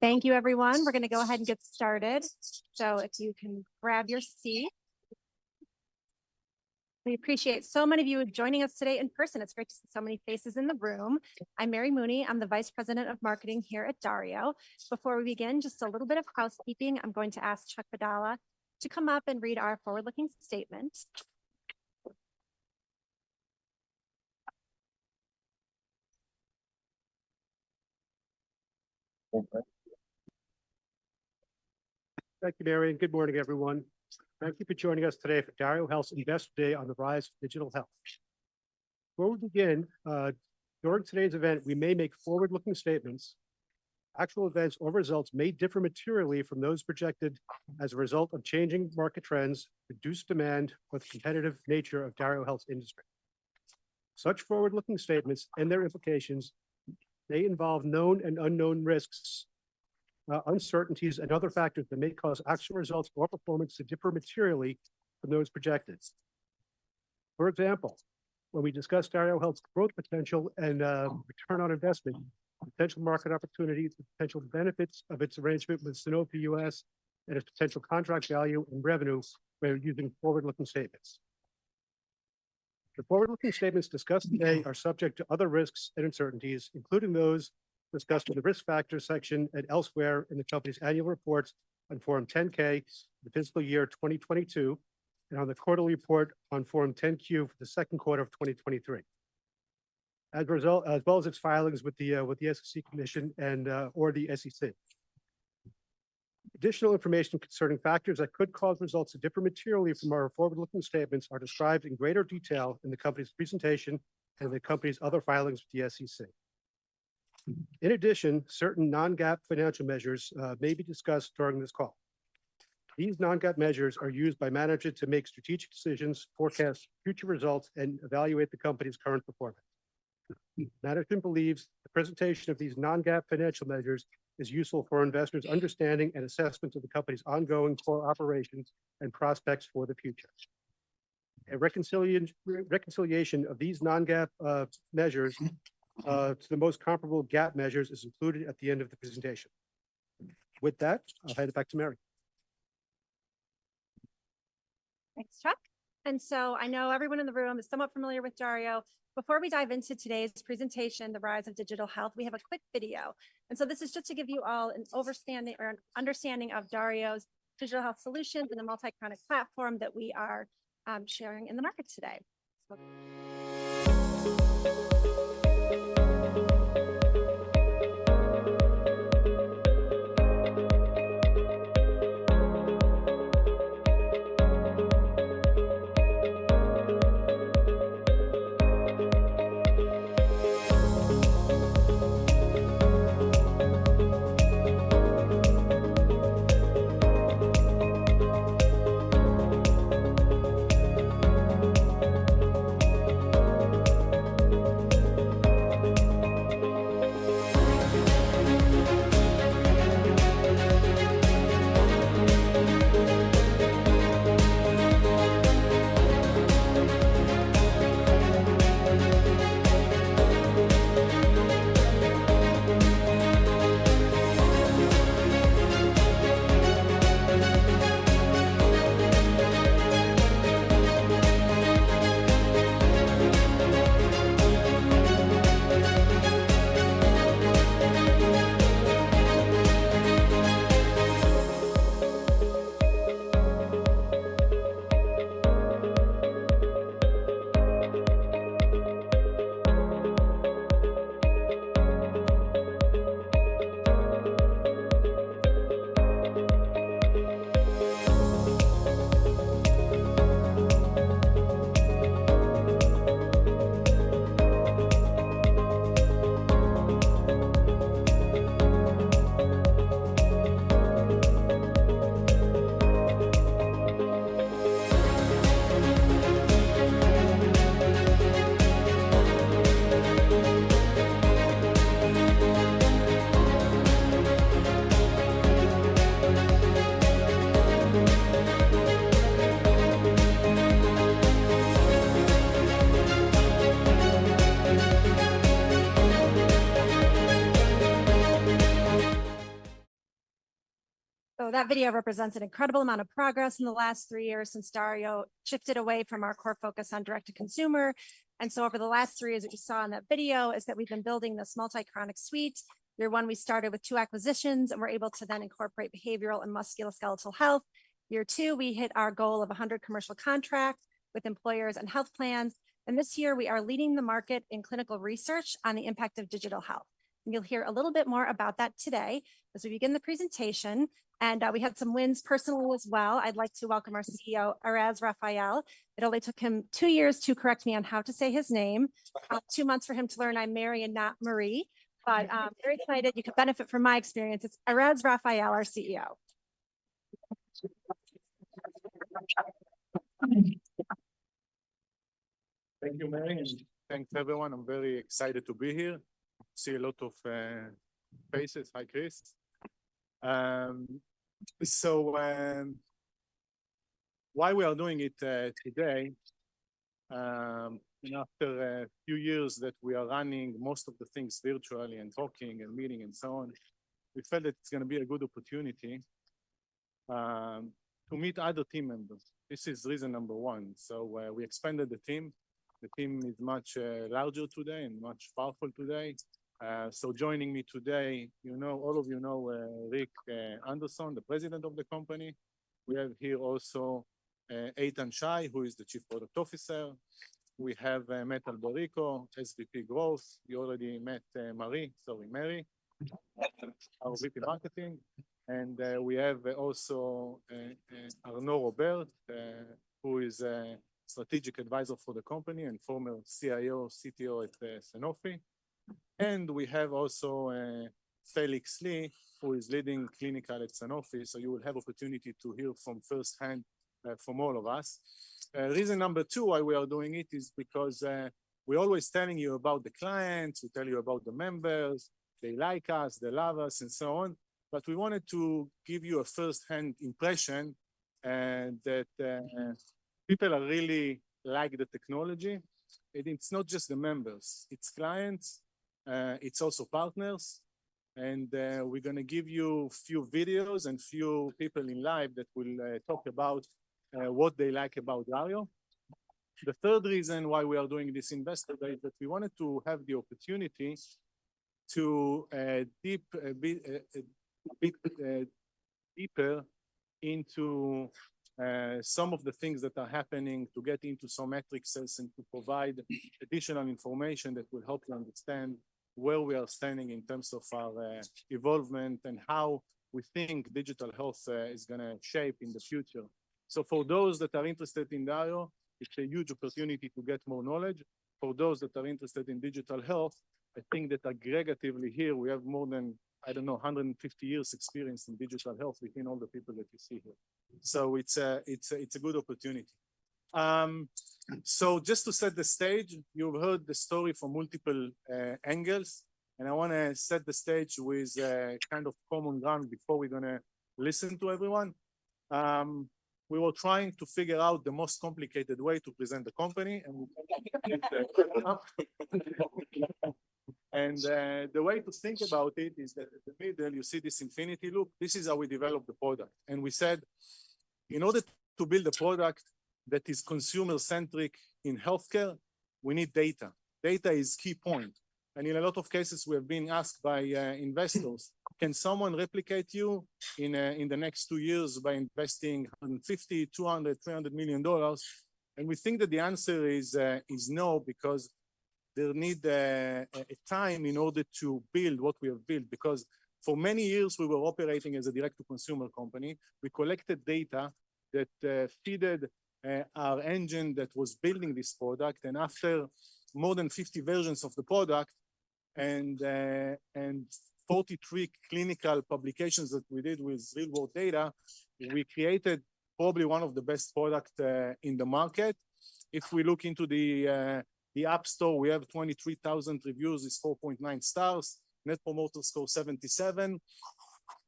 Thank you, everyone. We're gonna go ahead and get started. So if you can grab your seat. We appreciate so many of you joining us today in person. It's great to see so many faces in the room. I'm Mary Mooney. I'm the Vice President of Marketing here at Dario. Before we begin, just a little bit of housekeeping. I'm going to ask Chuck Padala to come up and read our forward-looking statement. Thank you, Mary, and good morning, everyone. Thank you for joining us today for DarioHealth's Investor Day on the Rise of Digital Health. Before we begin, during today's event, we may make forward-looking statements. Actual events or results may differ materially from those projected as a result of changing market trends, reduced demand, or the competitive nature of DarioHealth's industry. Such forward-looking statements and their implications may involve known and unknown risks, uncertainties, and other factors that may cause actual results or performance to differ materially from those projected. For example, when we discuss DarioHealth's growth potential and return on investment, potential market opportunities, the potential benefits of its arrangement with Sanofi U.S. and its potential contract value and revenue, we are using forward-looking statements. The forward-looking statements discussed today are subject to other risks and uncertainties, including those discussed in the Risk Factors section and elsewhere in the company's annual reports on Form 10-K for the fiscal year 2022, and on the quarterly report on Form 10-Q for the second quarter of 2023. As a result, as well as its filings with the SEC. Additional information concerning factors that could cause results to differ materially from our forward-looking statements are described in greater detail in the company's presentation and the company's other filings with the SEC. In addition, certain non-GAAP financial measures may be discussed during this call. These non-GAAP measures are used by management to make strategic decisions, forecast future results, and evaluate the company's current performance. Management believes the presentation of these non-GAAP financial measures is useful for investors' understanding and assessment of the company's ongoing core operations and prospects for the future. Reconciliation of these non-GAAP measures to the most comparable GAAP measures is included at the end of the presentation. With that, I'll hand it back to Mary. Thanks, Chuck. So I know everyone in the room is somewhat familiar with Dario. Before we dive into today's presentation, The Rise of Digital Health, we have a quick video. So this is just to give you all an overview or an understanding of Dario's digital health solutions and the multi-chronic platform that we are sharing in the market today. So that video represents an incredible amount of progress in the last three years since Dario shifted away from our core focus on direct-to-consumer. So over the last three years, as you saw in that video, is that we've been building this multi-chronic suite. Year one, we started with two acquisitions, and we're able to then incorporate behavioral and musculoskeletal health. Year two, we hit our goal of 100 commercial contracts with employers and health plans. And this year, we are leading the market in clinical research on the impact of digital health. And you'll hear a little bit more about that today as we begin the presentation. And, we had some wins personally as well. I'd like to welcome our CEO, Erez Raphael. It only took him two years to correct me on how to say his name, two months for him to learn I'm Mary and not Marie. But, very excited you could benefit from my experience. It's Erez Raphael, our CEO. Thank you, Mary, and thanks, everyone. I'm very excited to be here, see a lot of faces like this. Why we are doing it today? After a few years that we are running most of the things virtually and talking, and meeting, and so on, we felt that it's gonna be a good opportunity to meet other team members. This is reason number one. So, we expanded the team. The team is much larger today and much powerful today. So joining me today, you know, all of you know Rick Anderson, the President of the company. We have here also Eitan Shay, who is the Chief Product Officer. We have Matt Alberico, SVP Growth. You already met Mary, our VP Marketing, and we have also Arnaud Robert, who is a Strategic Advisor for the company and former CIO, CTO at Sanofi. And we have also Felix Lee, who is leading clinical at Sanofi. So you will have opportunity to hear from firsthand from all of us. Reason number two why we are doing it is because we're always telling you about the clients, we tell you about the members. They like us, they love us, and so on, but we wanted to give you a first-hand impression that people are really like the technology. And it's not just the members, it's clients, it's also partners, and we're gonna give you a few videos and few people in live that will talk about what they like about Dario. The third reason why we are doing this Investor Day is that we wanted to have the opportunity to dive deeper into some of the things that are happening, to get into some metrics, and to provide additional information that will help you understand where we are standing in terms of our involvement, and how we think digital health is gonna shape in the future. So for those that are interested in Dario, it's a huge opportunity to get more knowledge. For those that are interested in digital health, I think that aggregatively here, we have more than, I don't know, 150 years experience in digital health between all the people that you see here. So it's a, it's a, it's a good opportunity. So just to set the stage, you've heard the story from multiple angles, and I wanna set the stage with a kind of common ground before we're gonna listen to everyone. We were trying to figure out the most complicated way to present the company, and the way to think about it is that at the middle, you see this infinity loop. This is how we developed the product. We said, "In order to build a product that is consumer-centric in healthcare, we need data." Data is key point, and in a lot of cases, we have been asked by investors: "Can someone replicate you in the next two years by investing $150 million, $200 million, $300 million? We think that the answer is, is no, because they'll need a time in order to build what we have built. Because for many years, we were operating as a direct-to-consumer company. We collected data that fed our engine that was building this product. And after more than 50 versions of the product, and 43 clinical publications that we did with real world data, we created probably one of the best product in the market. If we look into the App Store, we have 23,000 reviews, it's 4.9 stars. Net Promoter Score, 77.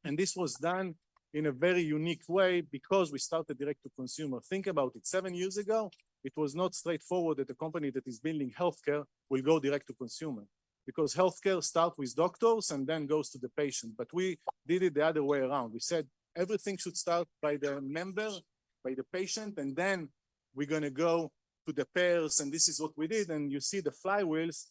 And this was done in a very unique way because we started direct-to-consumer. Think about it, seven years ago, it was not straightforward that a company that is building healthcare will go direct-to-consumer. Because healthcare start with doctors and then goes to the patient, but we did it the other way around. We said everything should start by the member, by the patient, and then we're gonna go to the payers, and this is what we did. And you see the flywheels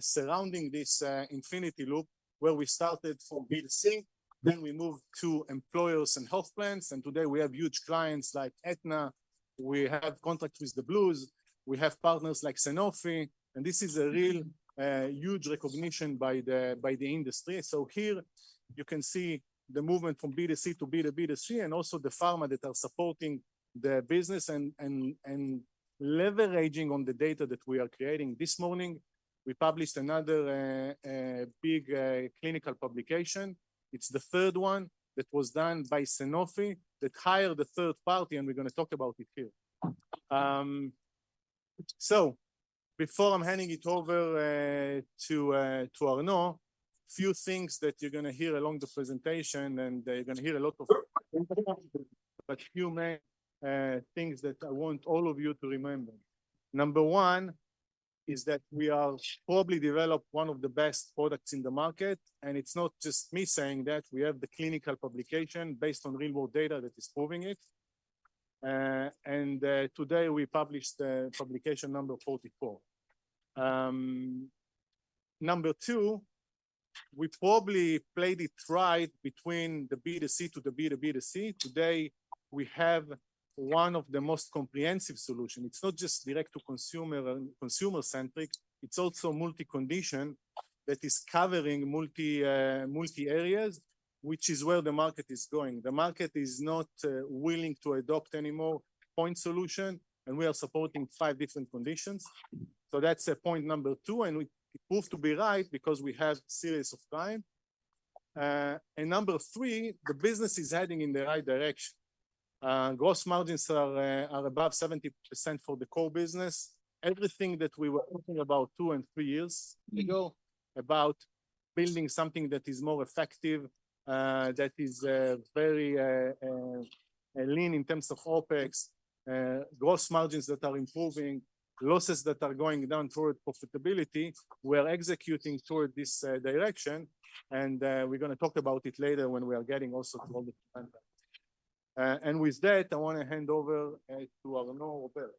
surrounding this infinity loop, where we started from B2C, then we moved to employers and health plans, and today we have huge clients like Aetna. We have contracts with the Blues, we have partners like Sanofi, and this is a real huge recognition by the industry. So here you can see the movement from B2C to B2B2C, and also the pharma that are supporting the business and leveraging on the data that we are creating. This morning, we published another big clinical publication. It's the third one that was done by Sanofi, that hired a third party, and we're gonna talk about it here. So before I'm handing it over to Arnaud, a few things that you're gonna hear along the presentation, and you're gonna hear a lot of... But a few main things that I want all of you to remember. Number one is that we are probably developed one of the best products in the market, and it's not just me saying that. We have the clinical publication based on real world data that is proving it. And today, we published publication number 44. Number two, we probably played it right between the B2C to the B2B2C. Today, we have one of the most comprehensive solution. It's not just direct-to-consumer and consumer-centric, it's also multi-condition that is covering multi areas, which is where the market is going. The market is not willing to adopt any more point solution, and we are supporting five different conditions. So that's point number two, and we proved to be right because we have series of time. Number three, the business is heading in the right direction. Gross margins are above 70% for the core business. Everything that we were talking about two and three years ago, about building something that is more effective, that is very lean in terms of OpEx, gross margins that are improving, losses that are going down toward profitability. We're executing toward this direction, and we're gonna talk about it later when we are getting also to all the time. And with that, I wanna hand over to Arnaud Robert.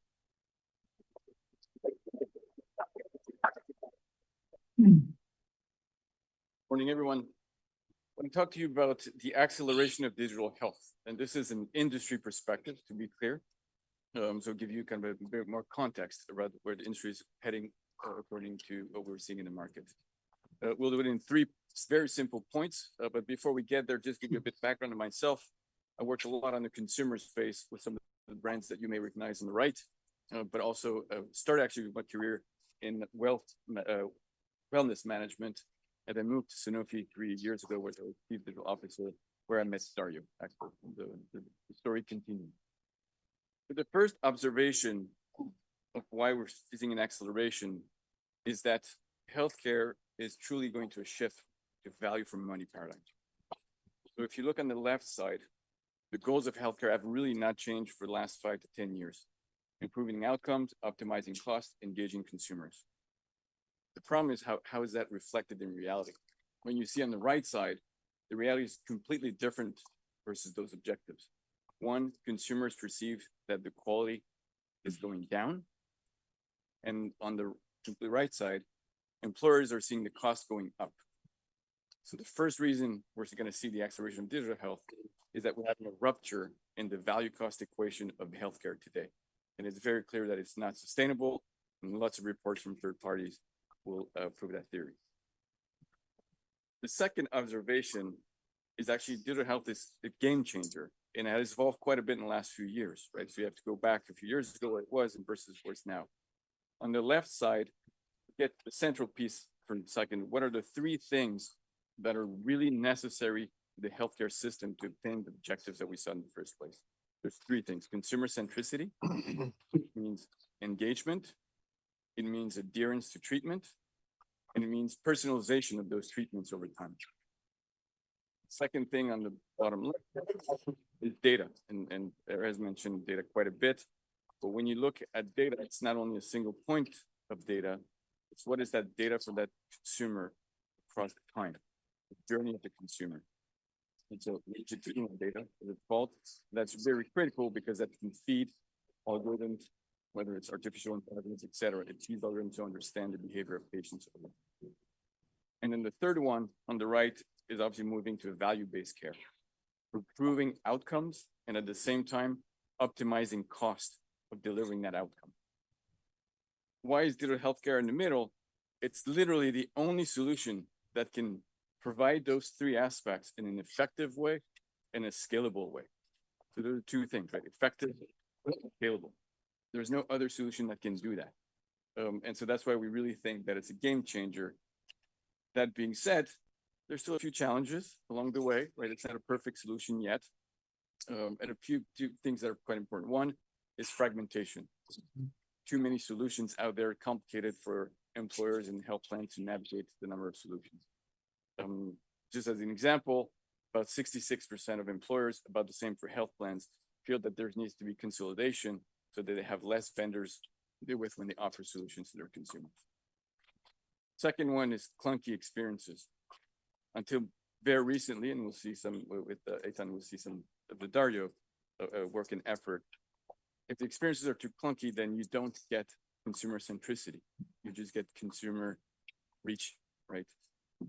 Morning, everyone. I want to talk to you about the acceleration of digital health, and this is an industry perspective, to be clear. So give you kind of a bit more context about where the industry is heading, according to what we're seeing in the market. We'll do it in three very simple points, but before we get there, just give you a bit background on myself. I worked a lot on the consumer space with some of the brands that you may recognize on the right, but also started actually my career in wealth, wellness management, and I moved to Sanofi three years ago, where I joined the digital office, where I met Dario. Actually, the story continue. The first observation of why we're seeing an acceleration is that healthcare is truly going to shift to value for money paradigm. So if you look on the left side, the goals of healthcare have really not changed for the last 5-10 years: improving outcomes, optimizing costs, engaging consumers. The problem is how, how is that reflected in reality? When you see on the right side, the reality is completely different versus those objectives. One, consumers perceive that the quality is going down, and on the, to the right side, employers are seeing the cost going up. So the first reason we're gonna see the acceleration of digital health is that we're having a rupture in the value cost equation of healthcare today, and it's very clear that it's not sustainable, and lots of reports from third parties will prove that theory. The second observation is actually digital health is a game changer, and it has evolved quite a bit in the last few years, right? So you have to go back a few years ago, like was and versus what it is now. On the left side, get the central piece for a second. What are the three things that are really necessary for the healthcare system to attain the objectives that we set in the first place? There's three things: consumer centricity, it means engagement, it means adherence to treatment, and it means personalization of those treatments over time. Second thing on the bottom left is data, and Erez mentioned data quite a bit. But when you look at data, it's not only a single point of data, it's what is that data for that consumer across time, the journey of the consumer. And so longitudinal data is involved. That's very critical because that can feed algorithms, whether it's artificial intelligence, et cetera. It feeds algorithms to understand the behavior of patients. Then the third one on the right is obviously moving to a Value-Based Care, improving outcomes and at the same time, optimizing cost of delivering that outcome. Why is digital healthcare in the middle? It's literally the only solution that can provide those three aspects in an effective way and a scalable way. So there are two things, right? Effective and scalable. There is no other solution that can do that. And so that's why we really think that it's a game changer. That being said, there's still a few challenges along the way, right? It's not a perfect solution yet, and a few, two things that are quite important. One is fragmentation. Too many solutions out there, complicated for employers and health plans to navigate the number of solutions. Just as an example, about 66% of employers, about the same for health plans, feel that there needs to be consolidation so that they have less vendors to deal with when they offer solutions to their consumers. Second one is clunky experiences. Until very recently, and we'll see some with Eitan, we'll see some of the Dario work and effort. If the experiences are too clunky, then you don't get consumer centricity, you just get consumer reach, right?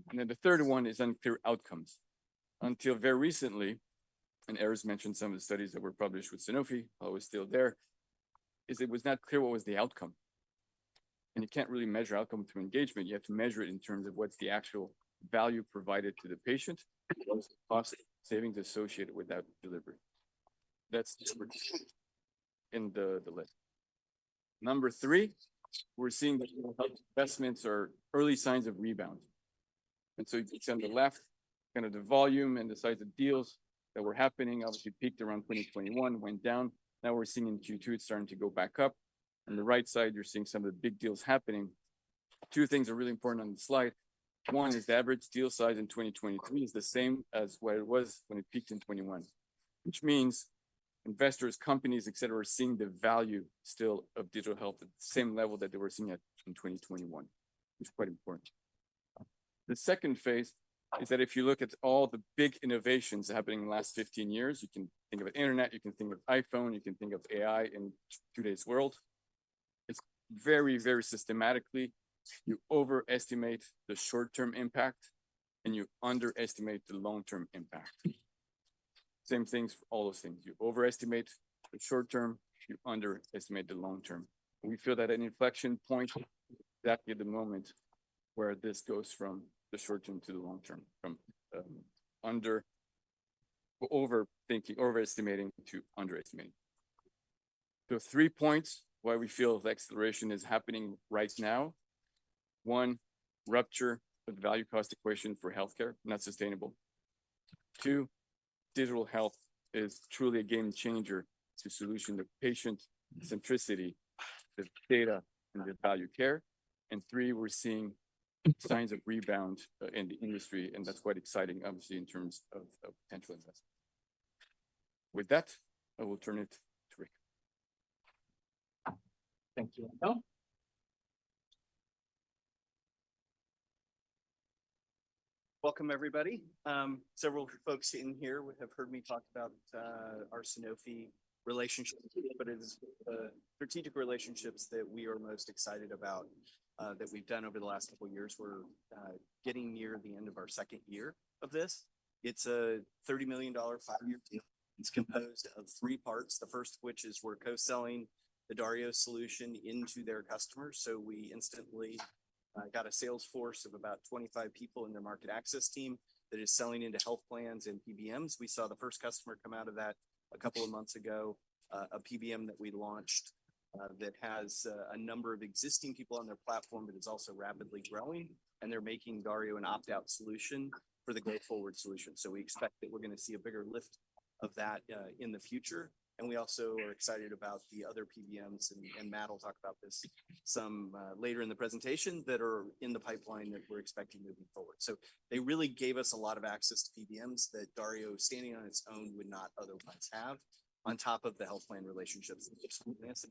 And then the third one is unclear outcomes. Until very recently, and Erez mentioned some of the studies that were published with Sanofi, while I was still there, is it was not clear what was the outcome. And you can't really measure outcome through engagement. You have to measure it in terms of what's the actual value provided to the patient, what's the cost savings associated with that delivery. That's number two in the list. Number three, we're seeing that digital health investments are early signs of rebound. And so on the left, kind of the volume and the size of deals that were happening obviously peaked around 2021, went down. Now we're seeing in Q2, it's starting to go back up. On the right side, you're seeing some of the big deals happening. Two things are really important on the slide. One is the average deal size in 2023 is the same as what it was when it peaked in 2021, which means investors, companies, et cetera, are seeing the value still of digital health at the same level that they were seeing it in 2021, which is quite important. The second phase is that if you look at all the big innovations happening in the last 15 years, you can think of the internet, you can think of iPhone, you can think of AI in today's world. It's very, very systematically, you overestimate the short-term impact, and you underestimate the long-term impact. Same things for all those things. You overestimate the short term, you underestimate the long term. We feel that an inflection point, exactly at the moment, where this goes from the short term to the long term, from overestimating to underestimating. The three points why we feel the acceleration is happening right now: One, rupture of the value cost equation for healthcare, not sustainable. Two, digital health is truly a game changer to solution the patient centricity, the data, and the value care. And three, we're seeing signs of rebound in the industry, and that's quite exciting, obviously, in terms of potential investment. With that, I will turn it to Rick. Thank you, Arnaud. Welcome, everybody. Several folks in here would have heard me talk about our Sanofi relationship, but it is strategic relationships that we are most excited about that we've done over the last couple years. We're getting near the end of our second year of this. It's a $30 million, five-year deal. It's composed of three parts, the first of which is we're co-selling the Dario solution into their customers. So we instantly got a sales force of about 25 people in their market access team that is selling into health plans and PBMs. We saw the first customer come out of that a couple of months ago, a PBM that we launched, that has a number of existing people on their platform, but is also rapidly growing, and they're making Dario an opt-out solution for the go-forward solution. So we expect that we're gonna see a bigger lift of that in the future. And we also are excited about the other PBMs, and Matt will talk about this some later in the presentation, that are in the pipeline that we're expecting moving forward. So they really gave us a lot of access to PBMs that Dario, standing on its own, would not otherwise have on top of the health plan relationships it already has.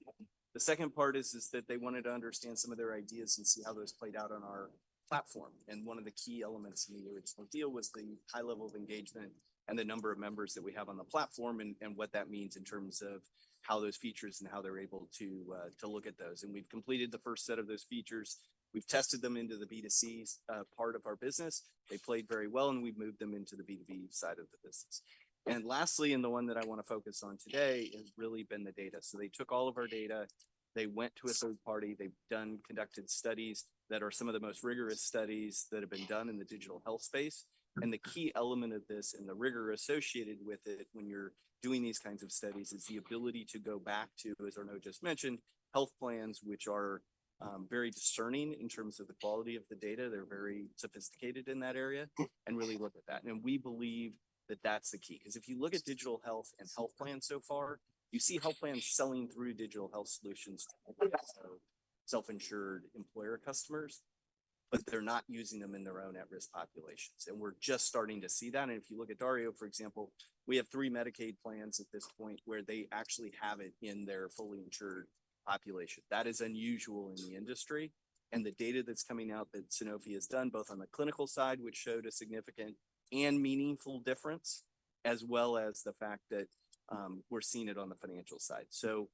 The second part is that they wanted to understand some of their ideas and see how those played out on our platform. One of the key elements in the original deal was the high level of engagement and the number of members that we have on the platform, and, and what that means in terms of how those features and how they're able to to look at those. We've completed the first set of those features. We've tested them into the B2C part of our business. They played very well, and we've moved them into the B2B side of the business. Lastly, and the one that I wanna focus on today, has really been the data. So they took all of our data. They went to a third party. They've conducted studies that are some of the most rigorous studies that have been done in the digital health space. The key element of this, and the rigor associated with it when you're doing these kinds of studies, is the ability to go back to, as Arnaud just mentioned, health plans, which are very discerning in terms of the quality of the data. They're very sophisticated in that area, and really look at that. We believe that that's the key. 'Cause if you look at digital health and health plans so far, you see health plans selling through digital health solutions, self-insured employer customers, but they're not using them in their own at-risk populations. We're just starting to see that. If you look at Dario, for example, we have three Medicaid plans at this point where they actually have it in their fully insured population. That is unusual in the industry, and the data that's coming out that Sanofi has done, both on the clinical side, which showed a significant and meaningful difference, as well as the fact that, we're seeing it on the financial side. So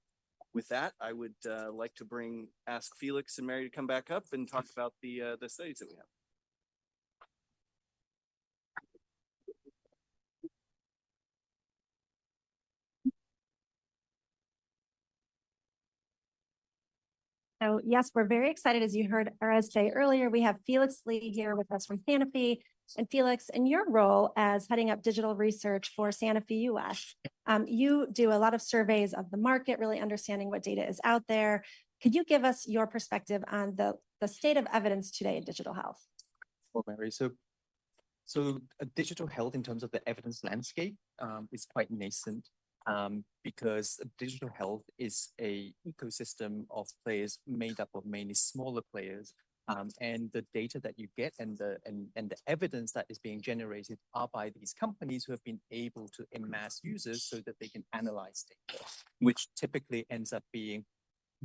with that, I would like to ask Felix and Mary to come back up and talk about the studies that we have. So yes, we're very excited. As you heard Arnaud say earlier, we have Felix Lee here with us from Sanofi. And Felix, in your role as heading up digital research for Sanofi U.S., you do a lot of surveys of the market, really understanding what data is out there. Could you give us your perspective on the state of evidence today in digital health? Well, Mary, so digital health in terms of the evidence landscape is quite nascent because digital health is an ecosystem of players made up of mainly smaller players. And the data that you get and the evidence that is being generated are by these companies who have been able to amass users so that they can analyze data, which typically ends up being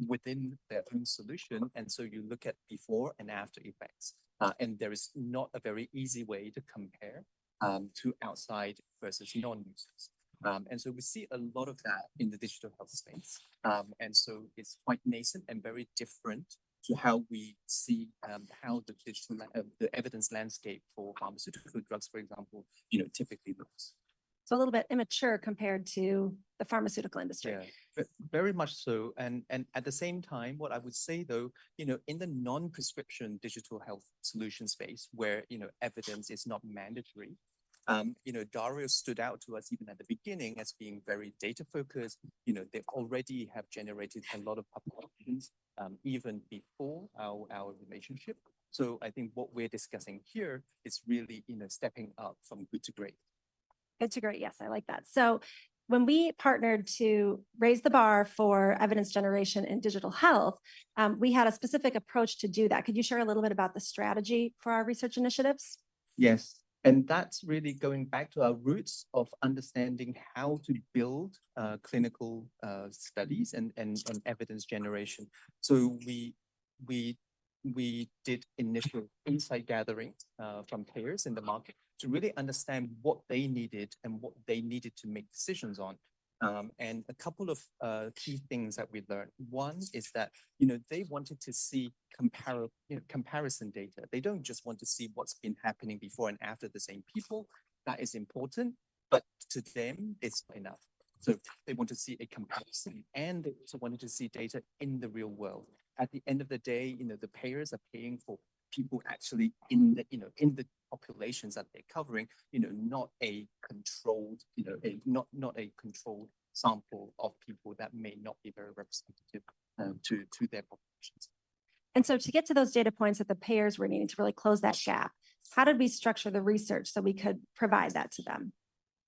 within their own solution, and so you look at before and after effects. And there is not a very easy way to compare to outside versus non-users. And so we see a lot of that in the digital health space. And so it's quite nascent and very different to how we see how the evidence landscape for pharmaceutical drugs, for example, you know, typically looks. A little bit immature compared to the pharmaceutical industry. Yeah. Very much so. And, and at the same time, what I would say, though, you know, in the non-prescription digital health solution space, where, you know, evidence is not mandatory, you know, Dario stood out to us even at the beginning as being very data-focused. You know, they already have generated a lot of populations, even before our, our relationship. So I think what we're discussing here is really, you know, stepping up from good to great. Good to great. Yes, I like that. So when we partnered to raise the bar for evidence generation in digital health, we had a specific approach to do that. Could you share a little bit about the strategy for our research initiatives? Yes, and that's really going back to our roots of understanding how to build clinical studies and evidence generation. So we did initial insight gatherings from payers in the market to really understand what they needed and what they needed to make decisions on. And a couple of key things that we learned. One is that, you know, they wanted to see comparison data. They don't just want to see what's been happening before and after the same people. That is important, but to them, it's not enough. So they want to see a comparison, and they also wanted to see data in the real world. At the end of the day, you know, the payers are paying for people actually in the, you know, in the populations that they're covering, you know, not a controlled, you know, not a controlled sample of people that may not be very representative to their populations. And so to get to those data points that the payers were needing to really close that gap, how did we structure the research so we could provide that to them?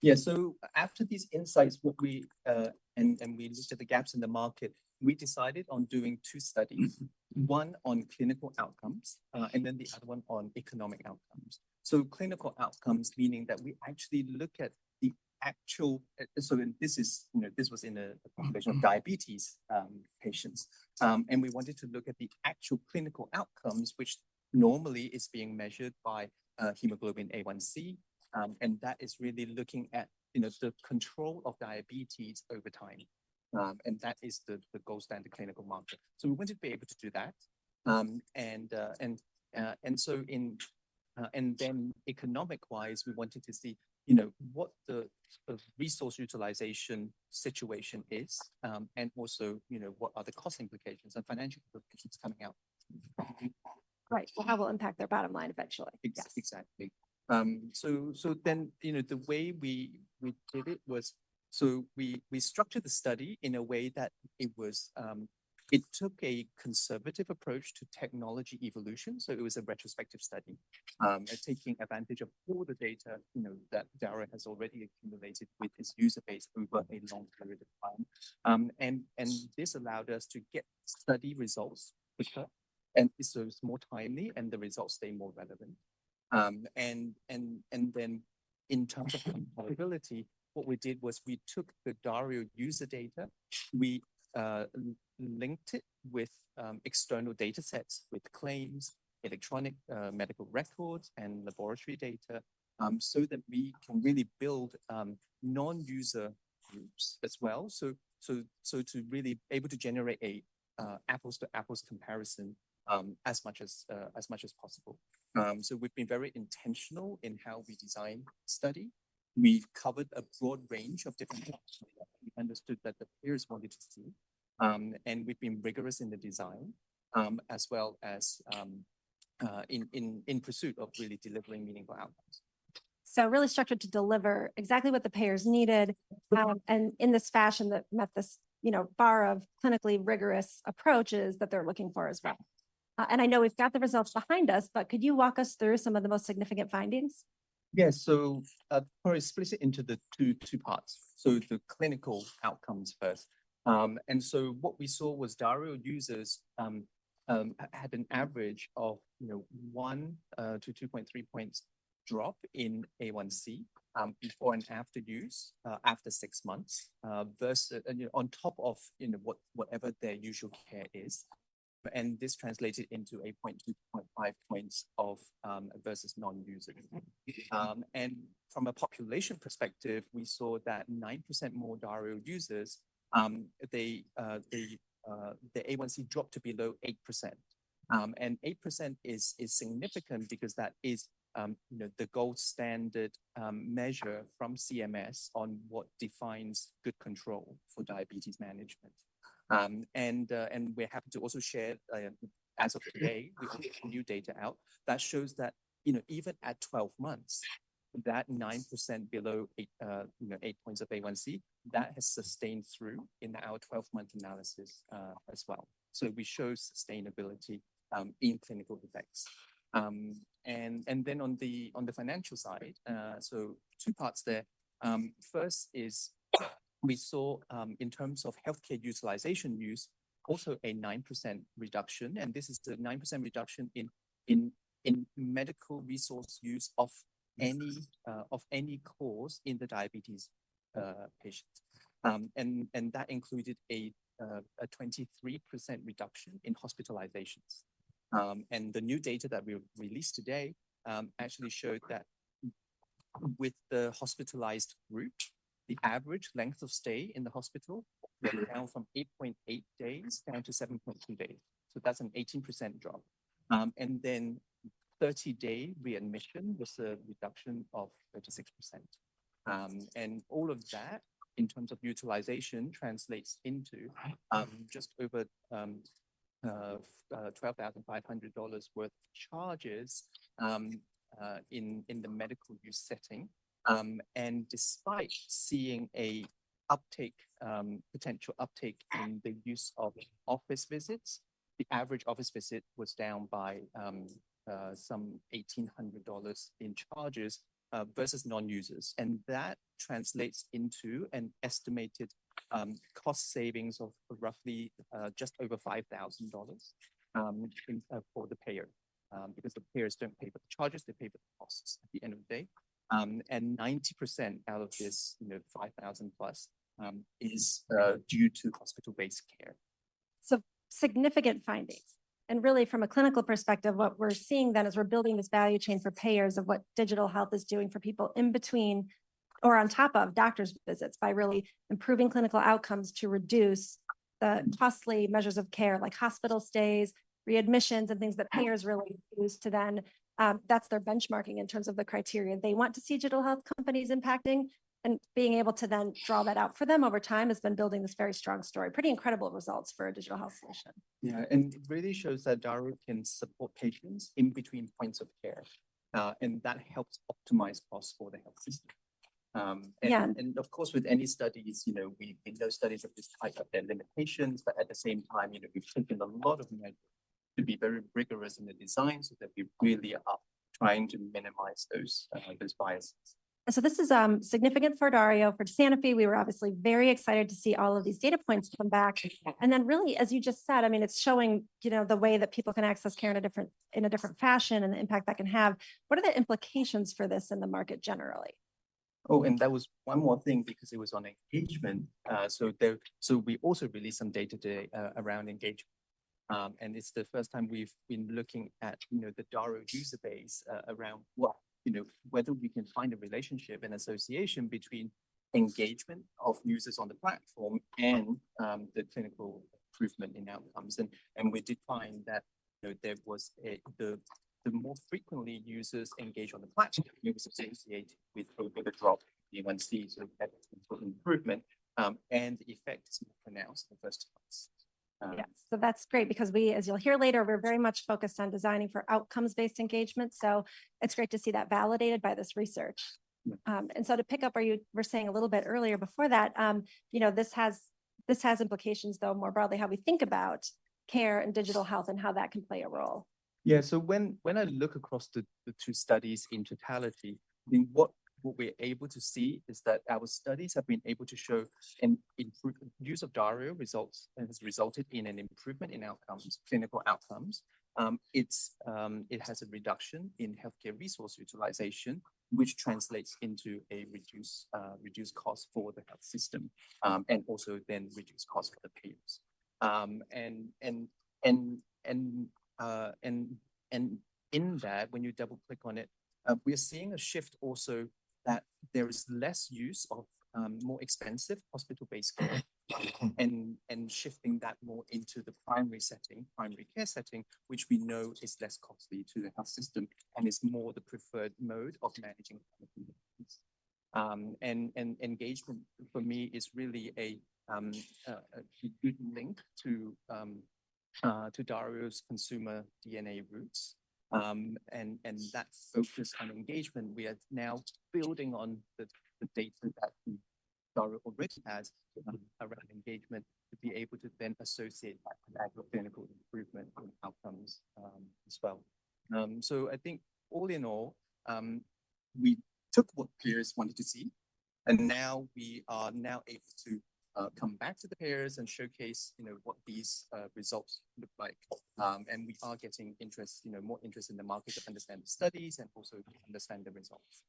Yeah. So after these insights, what we—and we listed the gaps in the market, we decided on doing two studies, one on clinical outcomes, and then the other one on economic outcomes. So clinical outcomes, meaning that we actually look at the actual. So then this is, you know, this was in a population- Mm-hmm... of diabetes patients. And we wanted to look at the actual clinical outcomes, which normally is being measured by hemoglobin A1c. And that is really looking at, you know, the control of diabetes over time. And that is the gold standard clinical marker. So we wanted to be able to do that. And then economic wise, we wanted to see, you know, what the resource utilization situation is, and also, you know, what are the cost implications and financial implications coming out? Right. Well, how it will impact their bottom line eventually? Yes, exactly. So, so then, you know, the way we, we did it was, so we, we structured the study in a way that it was, it took a conservative approach to technology evolution, so it was a retrospective study. And taking advantage of all the data, you know, that Dario has already accumulated with its user base over a long period of time. And, and, and then in terms of comparability, what we did was we took the Dario user data, we linked it with external datasets, with claims, electronic medical records, and laboratory data, so that we can really build non-user groups as well. So to really able to generate a apples to apples comparison, as much as possible. We've been very intentional in how we design study. We've covered a broad range of different topics. We understood that the payers wanted to see, and we've been rigorous in the design, as well as in pursuit of really delivering meaningful outcomes. Really structured to deliver exactly what the payers needed- Yeah... and in this fashion that met this, you know, bar of clinically rigorous approaches that they're looking for as well. Right. I know we've got the results behind us, but could you walk us through some of the most significant findings? Yes. So, probably split it into the two parts. So the clinical outcomes first. And so what we saw was Dario users had an average of, you know, 1-2.3 points drop in A1c, before and after use, after six months, versus and, on top of, you know, whatever their usual care is. And this translated into a 0.2-0.5 points of, versus non-users. And from a population perspective, we saw that 9% more Dario users, their A1c dropped to below 8%. And 8% is significant because that is, you know, the gold standard measure from CMS on what defines good control for diabetes management. And we're happy to also share, as of today, we published new data out that shows that, you know, even at 12 months, that 9% below 8, you know, 8 points of A1c, that has sustained through in our 12-month analysis, as well. So we show sustainability in clinical effects. And then on the financial side, so two parts there. First is, we saw, in terms of healthcare utilization, also a 9% reduction, and this is the 9% reduction in medical resource use of any cause in the diabetes patients. And that included a 23% reduction in hospitalizations. The new data that we released today, actually showed that with the hospitalized group, the average length of stay in the hospital went down from 8.8 days down to 7.2 days. So that's an 18% drop. Thirty-day readmission was a reduction of 36%. All of that, in terms of utilization, translates into just over $12,500 worth of charges in the medical use setting. Despite seeing an uptake, potential uptake in the use of office visits, the average office visit was down by some $1,800 in charges versus non-users. That translates into an estimated cost savings of roughly just over $5,000, which means for the payer. Because the payers don't pay for the charges, they pay for the costs at the end of the day. 99% out of this, you know, 5,000 plus, is due to hospital-based care. Significant findings. Really, from a clinical perspective, what we're seeing then is we're building this value chain for payers of what digital health is doing for people in between or on top of doctors' visits, by really improving clinical outcomes to reduce the costly measures of care, like hospital stays, readmissions, and things that payers really use to then, that's their benchmarking in terms of the criteria they want to see digital health companies impacting. Being able to then draw that out for them over time has been building this very strong story. Pretty incredible results for a digital health solution. Yeah, and it really shows that Dario can support patients in between points of care, and that helps optimize costs for the health system. Yeah. Of course, with any studies, you know, we, those studies of this type have their limitations, but at the same time, you know, we've taken a lot of measures to be very rigorous in the design so that we really are trying to minimize those, those biases. This is significant for Dario, for Sanofi. We were obviously very excited to see all of these data points come back. Yeah. And then really, as you just said, I mean, it's showing, you know, the way that people can access care in a different, in a different fashion and the impact that can have. What are the implications for this in the market generally? Oh, and there was one more thing because it was on engagement. So we also released some data today around engagement. And it's the first time we've been looking at, you know, the Dario user base around well, you know, whether we can find a relationship, an association between engagement of users on the platform and the clinical improvement in outcomes. And we did find that, you know, the more frequently users engage on the platform, it was associated with a better drop in A1c. So that's improvement, and effects pronounced in the first place. Yeah. So that's great because we, as you'll hear later, we're very much focused on designing for outcomes-based engagement, so it's great to see that validated by this research. Yeah. And so to pick up where you were saying a little bit earlier before that, you know, this has, this has implications, though, more broadly, how we think about care and digital health and how that can play a role. Yeah. So when I look across the two studies in totality, I mean, what we're able to see is that our studies have been able to show an improvement, use of Dario results has resulted in an improvement in outcomes, clinical outcomes. It has a reduction in healthcare resource utilization, which translates into a reduced cost for the health system, and also then reduced cost for the payers. And in that, when you double-click on it, we are seeing a shift also that there is less use of more expensive hospital-based care, and shifting that more into the primary setting, primary care setting, which we know is less costly to the health system and is more the preferred mode of managing chronic conditions. And engagement, for me, is really a good link to Dario's consumer DNA roots. And that focus on engagement, we are now building on the data that Dario already has around engagement to be able to then associate that with clinical improvement and outcomes, as well. So I think all in all, we took what payers wanted to see, and now we are able to come back to the payers and showcase, you know, what these results look like. And we are getting interest, you know, more interest in the market to understand the studies and also to understand the results.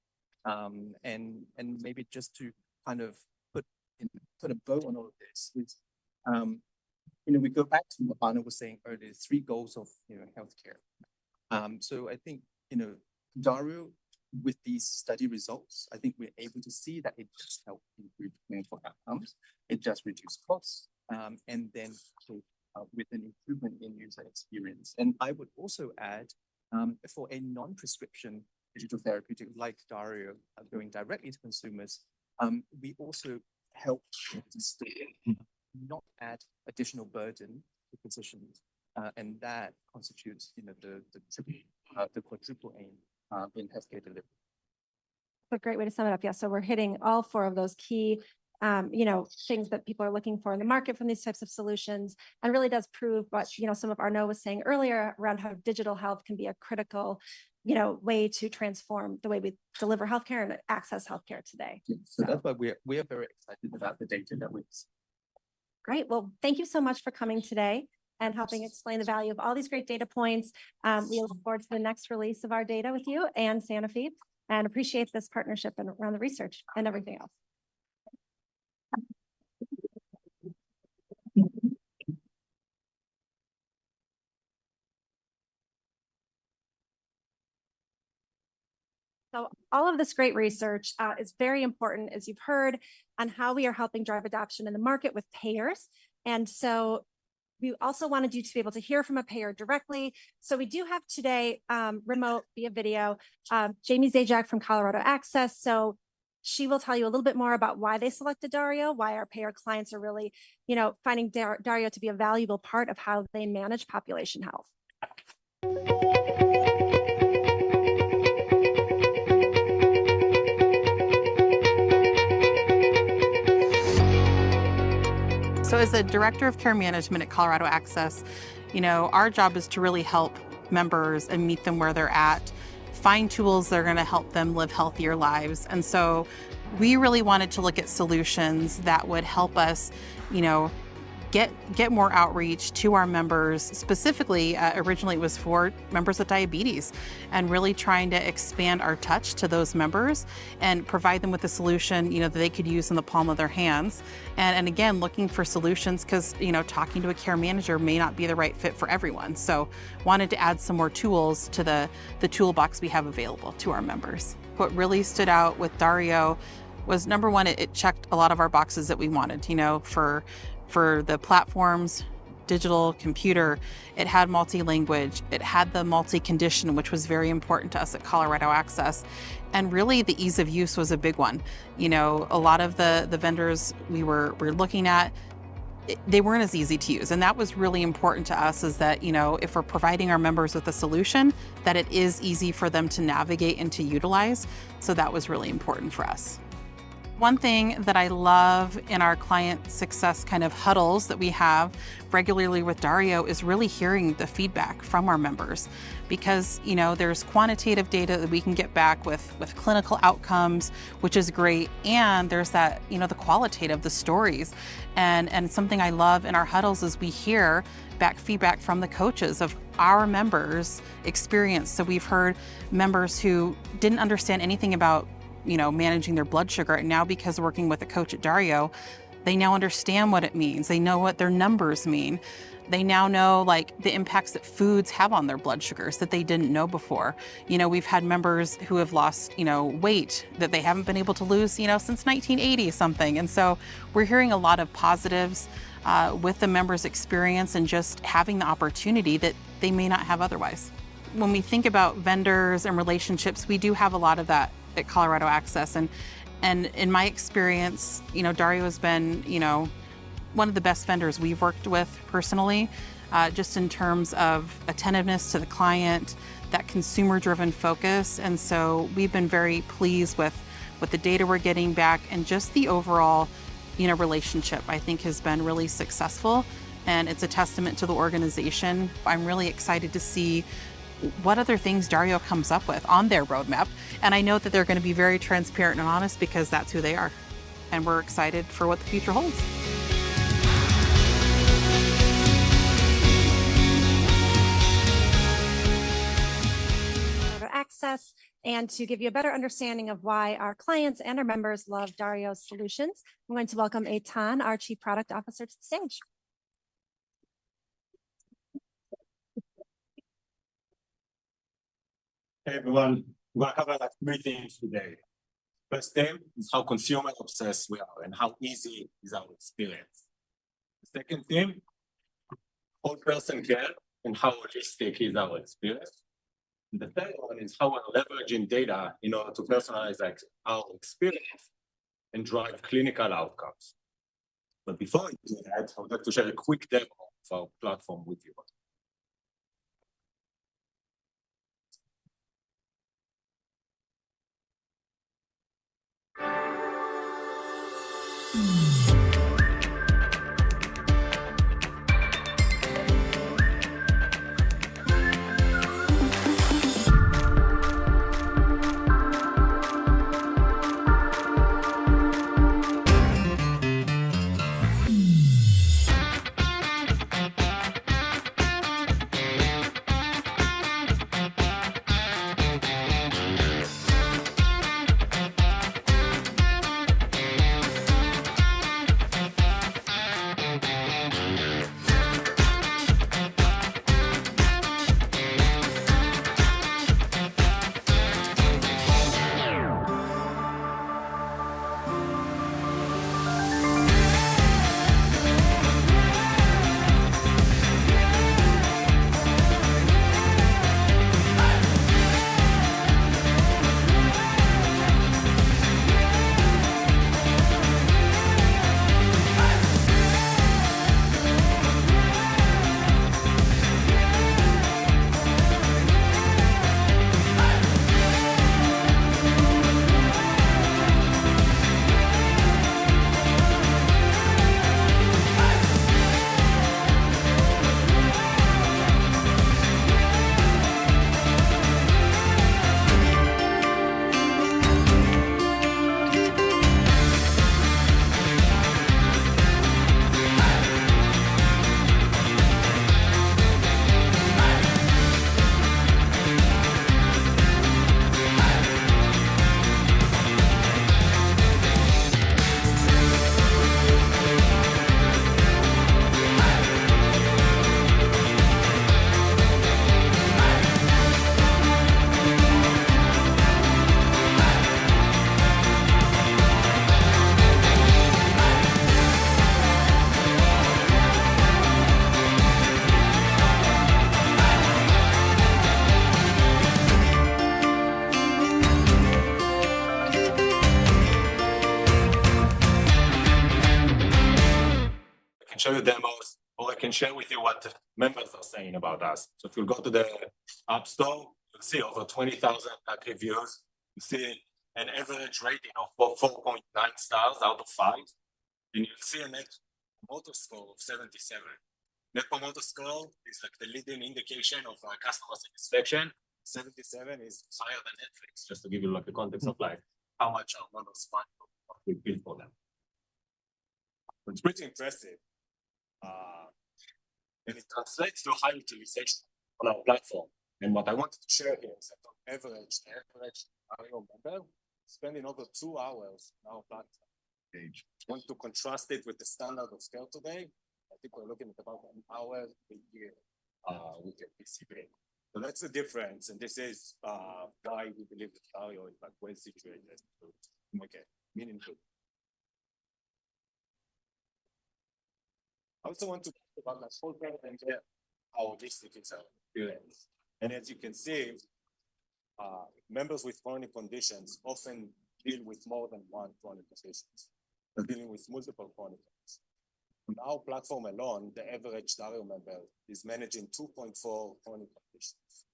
And maybe just to kind of put a bow on all of this, you know, we go back to what Arnaud was saying earlier, the three goals of, you know, healthcare. So I think, you know, Dario, with these study results, I think we're able to see that it does help improve clinical outcomes, it does reduce costs, and then help with an improvement in user experience. And I would also add, for a non-prescription digital therapeutic like Dario, going directly to consumers, we also help to stay in, not add additional burden to physicians, and that constitutes, you know, the quadruple aim in healthcare delivery. A great way to sum it up. Yeah, so we're hitting all four of those key, you know, things that people are looking for in the market from these types of solutions, and really does prove what, you know, some of Arnaud was saying earlier around how digital health can be a critical, you know, way to transform the way we deliver healthcare and access healthcare today. Yeah. So- That's why we are, we are very excited about the data that we see. Great. Well, thank you so much for coming today- Yes ... and helping explain the value of all these great data points. We look forward to the next release of our data with you and Sanofi, and appreciate this partnership around the research and everything else. So all of this great research is very important, as you've heard, on how we are helping drive adoption in the market with payers. And so we also wanted you to be able to hear from a payer directly. So we do have today, remote, via video, Jamie Zajac from Colorado Access. So she will tell you a little bit more about why they selected Dario, why our payer clients are really, you know, finding Dario to be a valuable part of how they manage population health. So as a director of care management at Colorado Access, you know, our job is to really help members and meet them where they're at, find tools that are gonna help them live healthier lives. And so we really wanted to look at solutions that would help us, you know, get more outreach to our members, specifically, originally, it was for members with diabetes, and really trying to expand our touch to those members and provide them with a solution, you know, that they could use in the palm of their hands. And again, looking for solutions because, you know, talking to a care manager may not be the right fit for everyone. So wanted to add some more tools to the toolbox we have available to our members. What really stood out with Dario was, number one, it checked a lot of our boxes that we wanted. You know, for the platforms, digital, computer, it had multi-language, it had the multi-condition, which was very important to us at Colorado Access, and really, the ease of use was a big one. You know, a lot of the vendors we were looking at—they weren't as easy to use, and that was really important to us, is that, you know, if we're providing our members with a solution, that it is easy for them to navigate and to utilize. So that was really important for us. One thing that I love in our client success kind of huddles that we have regularly with Dario is really hearing the feedback from our members. Because, you know, there's quantitative data that we can get back with clinical outcomes, which is great, and there's that, you know, the qualitative, the stories. And something I love in our huddles is we hear back feedback from the coaches of our members' experience. So we've heard members who didn't understand anything about, you know, managing their blood sugar, and now because of working with a coach at Dario, they now understand what it means. They know what their numbers mean. They now know, like, the impacts that foods have on their blood sugars that they didn't know before. You know, we've had members who have lost, you know, weight that they haven't been able to lose, you know, since 1980-something. And so we're hearing a lot of positives, with the members' experience and just having the opportunity that they may not have otherwise. When we think about vendors and relationships, we do have a lot of that at Colorado Access. And in my experience, you know, Dario has been, you know, one of the best vendors we've worked with personally, just in terms of attentiveness to the client, that consumer-driven focus. And so we've been very pleased with the data we're getting back and just the overall, you know, relationship, I think has been really successful, and it's a testament to the organization. I'm really excited to see what other things Dario comes up with on their roadmap, and I know that they're gonna be very transparent and honest because that's who they are. And we're excited for what the future holds. Access, and to give you a better understanding of why our clients and our members love Dario's solutions, we're going to welcome Eitan, our Chief Product Officer, to the stage. Hey, everyone. We're gonna cover three things today. First thing is how consumer-obsessed we are and how easy is our experience. The second thing, whole-person care and how holistic is our experience. And the third one is how we're leveraging data in order to personalize, like, our experience and drive clinical outcomes. But before I do that, I would like to share a quick demo of our platform with you. I can show you demos, or I can share with you what members are saying about us. So if you go to the app store, you'll see over 20,000 reviews. You see an average rating of 4.9 stars out of five, and you'll see a Net Promoter Score of 77. Net Promoter Score is, like, the leading indication of customer satisfaction. 77 is higher than Netflix, just to give you, like, a context of, like, how much our members fight for what we build for them. It's pretty impressive, and it translates to high utilization on our platform. And what I wanted to share here is that on average, average Dario member spending over two hours on our platform page. I want to contrast it with the standard of scale today. I think we're looking at about one hour a year with your PCP. So that's the difference, and this is why we believe that Dario is, like, well-situated to make it meaningful. I also want to talk about the whole picture and how holistic it's our experience. And as you can see, members with chronic conditions often deal with more than one chronic conditions. They're dealing with multiple chronic conditions. On our platform alone, the average Dario member is managing 2.4 chronic conditions.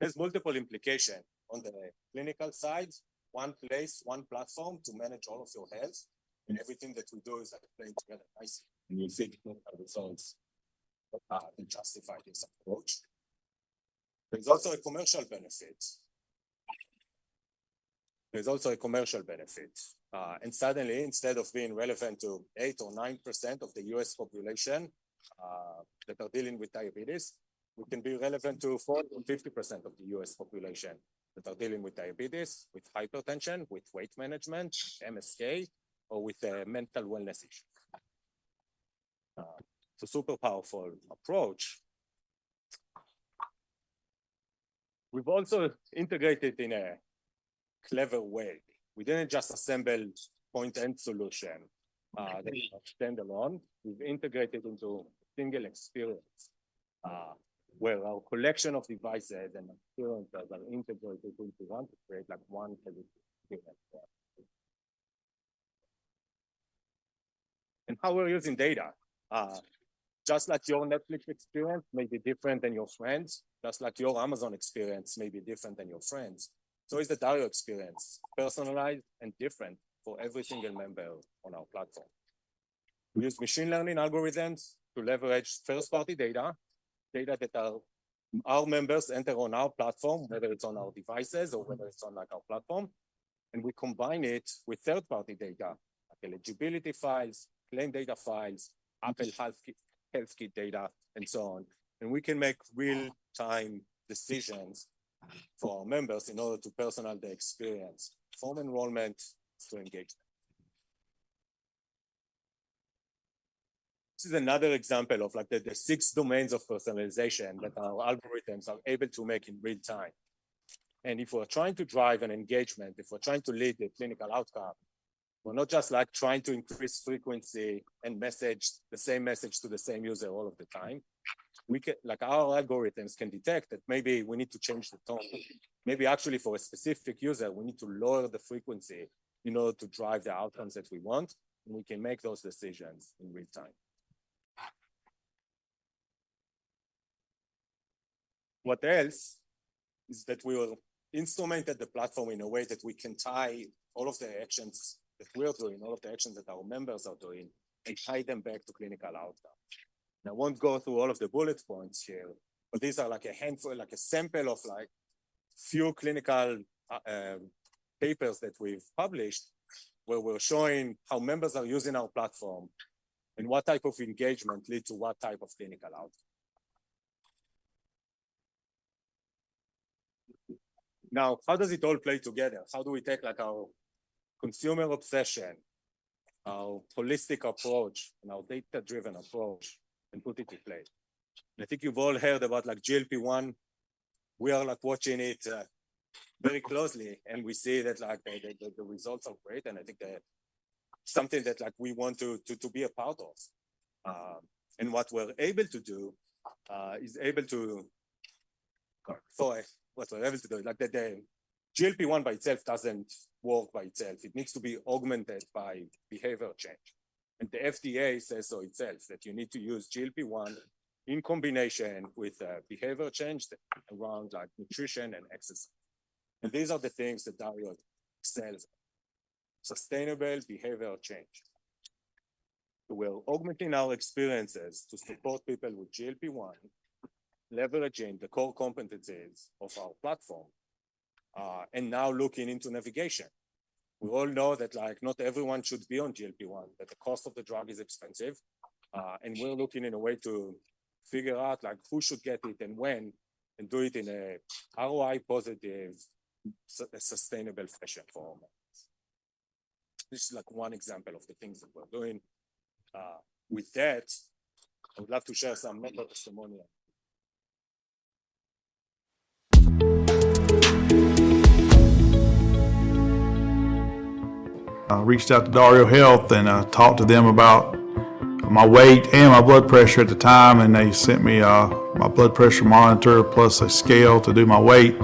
There's multiple implications on the clinical side. One place, one platform to manage all of your health, and everything that you do is like playing together nicely, and you'll see the results, and justify this approach. There's also a commercial benefit. There's also a commercial benefit, and suddenly, instead of being relevant to 8% or 9% of the U.S. population, that are dealing with diabetes, we can be relevant to 40% or 50% of the U.S. population that are dealing with diabetes, with hypertension, with weight management, MSK, or with a mental wellness issue. It's a super powerful approach. We've also integrated in a clever way. We didn't just assemble point solutions, that stand alone. We've integrated into a single experience, where our collection of devices and experiences are integrated into one to create like one single platform. And how we're using data? Just like your Netflix experience may be different than your friend's, just like your Amazon experience may be different than your friend's, so is the Dario experience, personalized and different for every single member on our platform. We use machine learning algorithms to leverage first-party data, data that our members enter on our platform, whether it's on our devices or whether it's on, like, our platform, and we combine it with third-party data, like eligibility files, claim data files, Apple HealthKit data, and so on. And we can make real-time decisions for our members in order to personalize their experience, from enrollment to engagement. This is another example of, like, the six domains of personalization that our algorithms are able to make in real time. If we're trying to drive an engagement, if we're trying to lead the clinical outcome, we're not just, like, trying to increase frequency and message the same message to the same user all of the time. We can—like, our algorithms can detect that maybe we need to change the tone. Maybe actually, for a specific user, we need to lower the frequency in order to drive the outcomes that we want, and we can make those decisions in real time. What else is that we will instrument the platform in a way that we can tie all of the actions that we're doing, all of the actions that our members are doing, and tie them back to clinical outcome. I won't go through all of the bullet points here, but these are like a handful, like a sample of, like, few clinical papers that we've published, where we're showing how members are using our platform and what type of engagement lead to what type of clinical outcome. Now, how does it all play together? How do we take, like, our consumer obsession, our holistic approach, and our data-driven approach, and put it in place? I think you've all heard about, like, GLP-1. We are, like, watching it very closely, and we see that, like, the results are great, and I think that something that, like, we want to be a part of. And what we're able to do is able to. Like the GLP-1 by itself doesn't work by itself. It needs to be augmented by behavioral change, and the FDA says so itself, that you need to use GLP-1 in combination with a behavioral change around, like, nutrition and exercise. And these are the things that Dario excels, sustainable behavioral change. We're augmenting our experiences to support people with GLP-1, leveraging the core competencies of our platform, and now looking into navigation. We all know that, like, not everyone should be on GLP-1, that the cost of the drug is expensive, and we're looking in a way to figure out, like, who should get it and when, and do it in a ROI positive, sustainable fashion for all. This is, like, one example of the things that we're doing. With that, I would love to share some member testimonial. I reached out to DarioHealth, and I talked to them about my weight and my blood pressure at the time, and they sent me my blood pressure monitor, plus a scale to do my weight.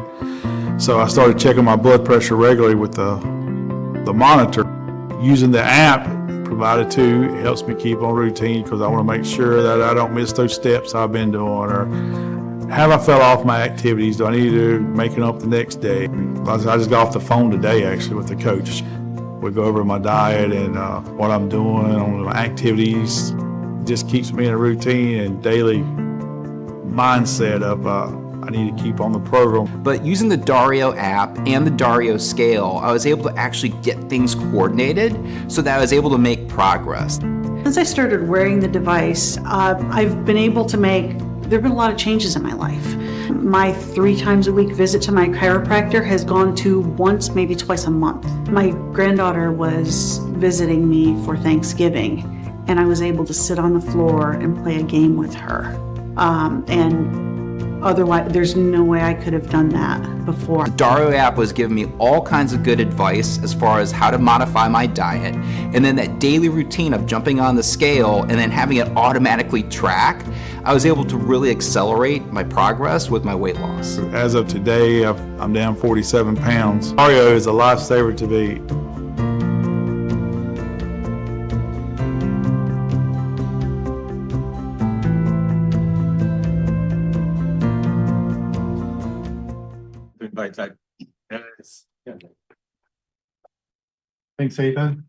So I started checking my blood pressure regularly with the monitor. Using the app provided, too, helps me keep on routine 'cause I wanna make sure that I don't miss those steps I've been doing or have I fell off my activities? Do I need to make it up the next day? I just got off the phone today, actually, with a coach. We go over my diet and what I'm doing on my activities. Just keeps me in a routine and daily mindset of I need to keep on the program. But using the Dario app and the Dario scale, I was able to actually get things coordinated so that I was able to make progress. Since I started wearing the device, I've been able to make... There have been a lot of changes in my life. My three-times-a-week visit to my chiropractor has gone to once, maybe twice a month. My granddaughter was visiting me for Thanksgiving, and I was able to sit on the floor and play a game with her. And otherwise, there's no way I could have done that before. Dario app has given me all kinds of good advice as far as how to modify my diet. And then that daily routine of jumping on the scale and then having it automatically track, I was able to really accelerate my progress with my weight loss. As of today, I'm down 47 pounds. Dario is a lifesaver to me. Good bye, Eitan. Yes. Yeah. Thanks, Eitan.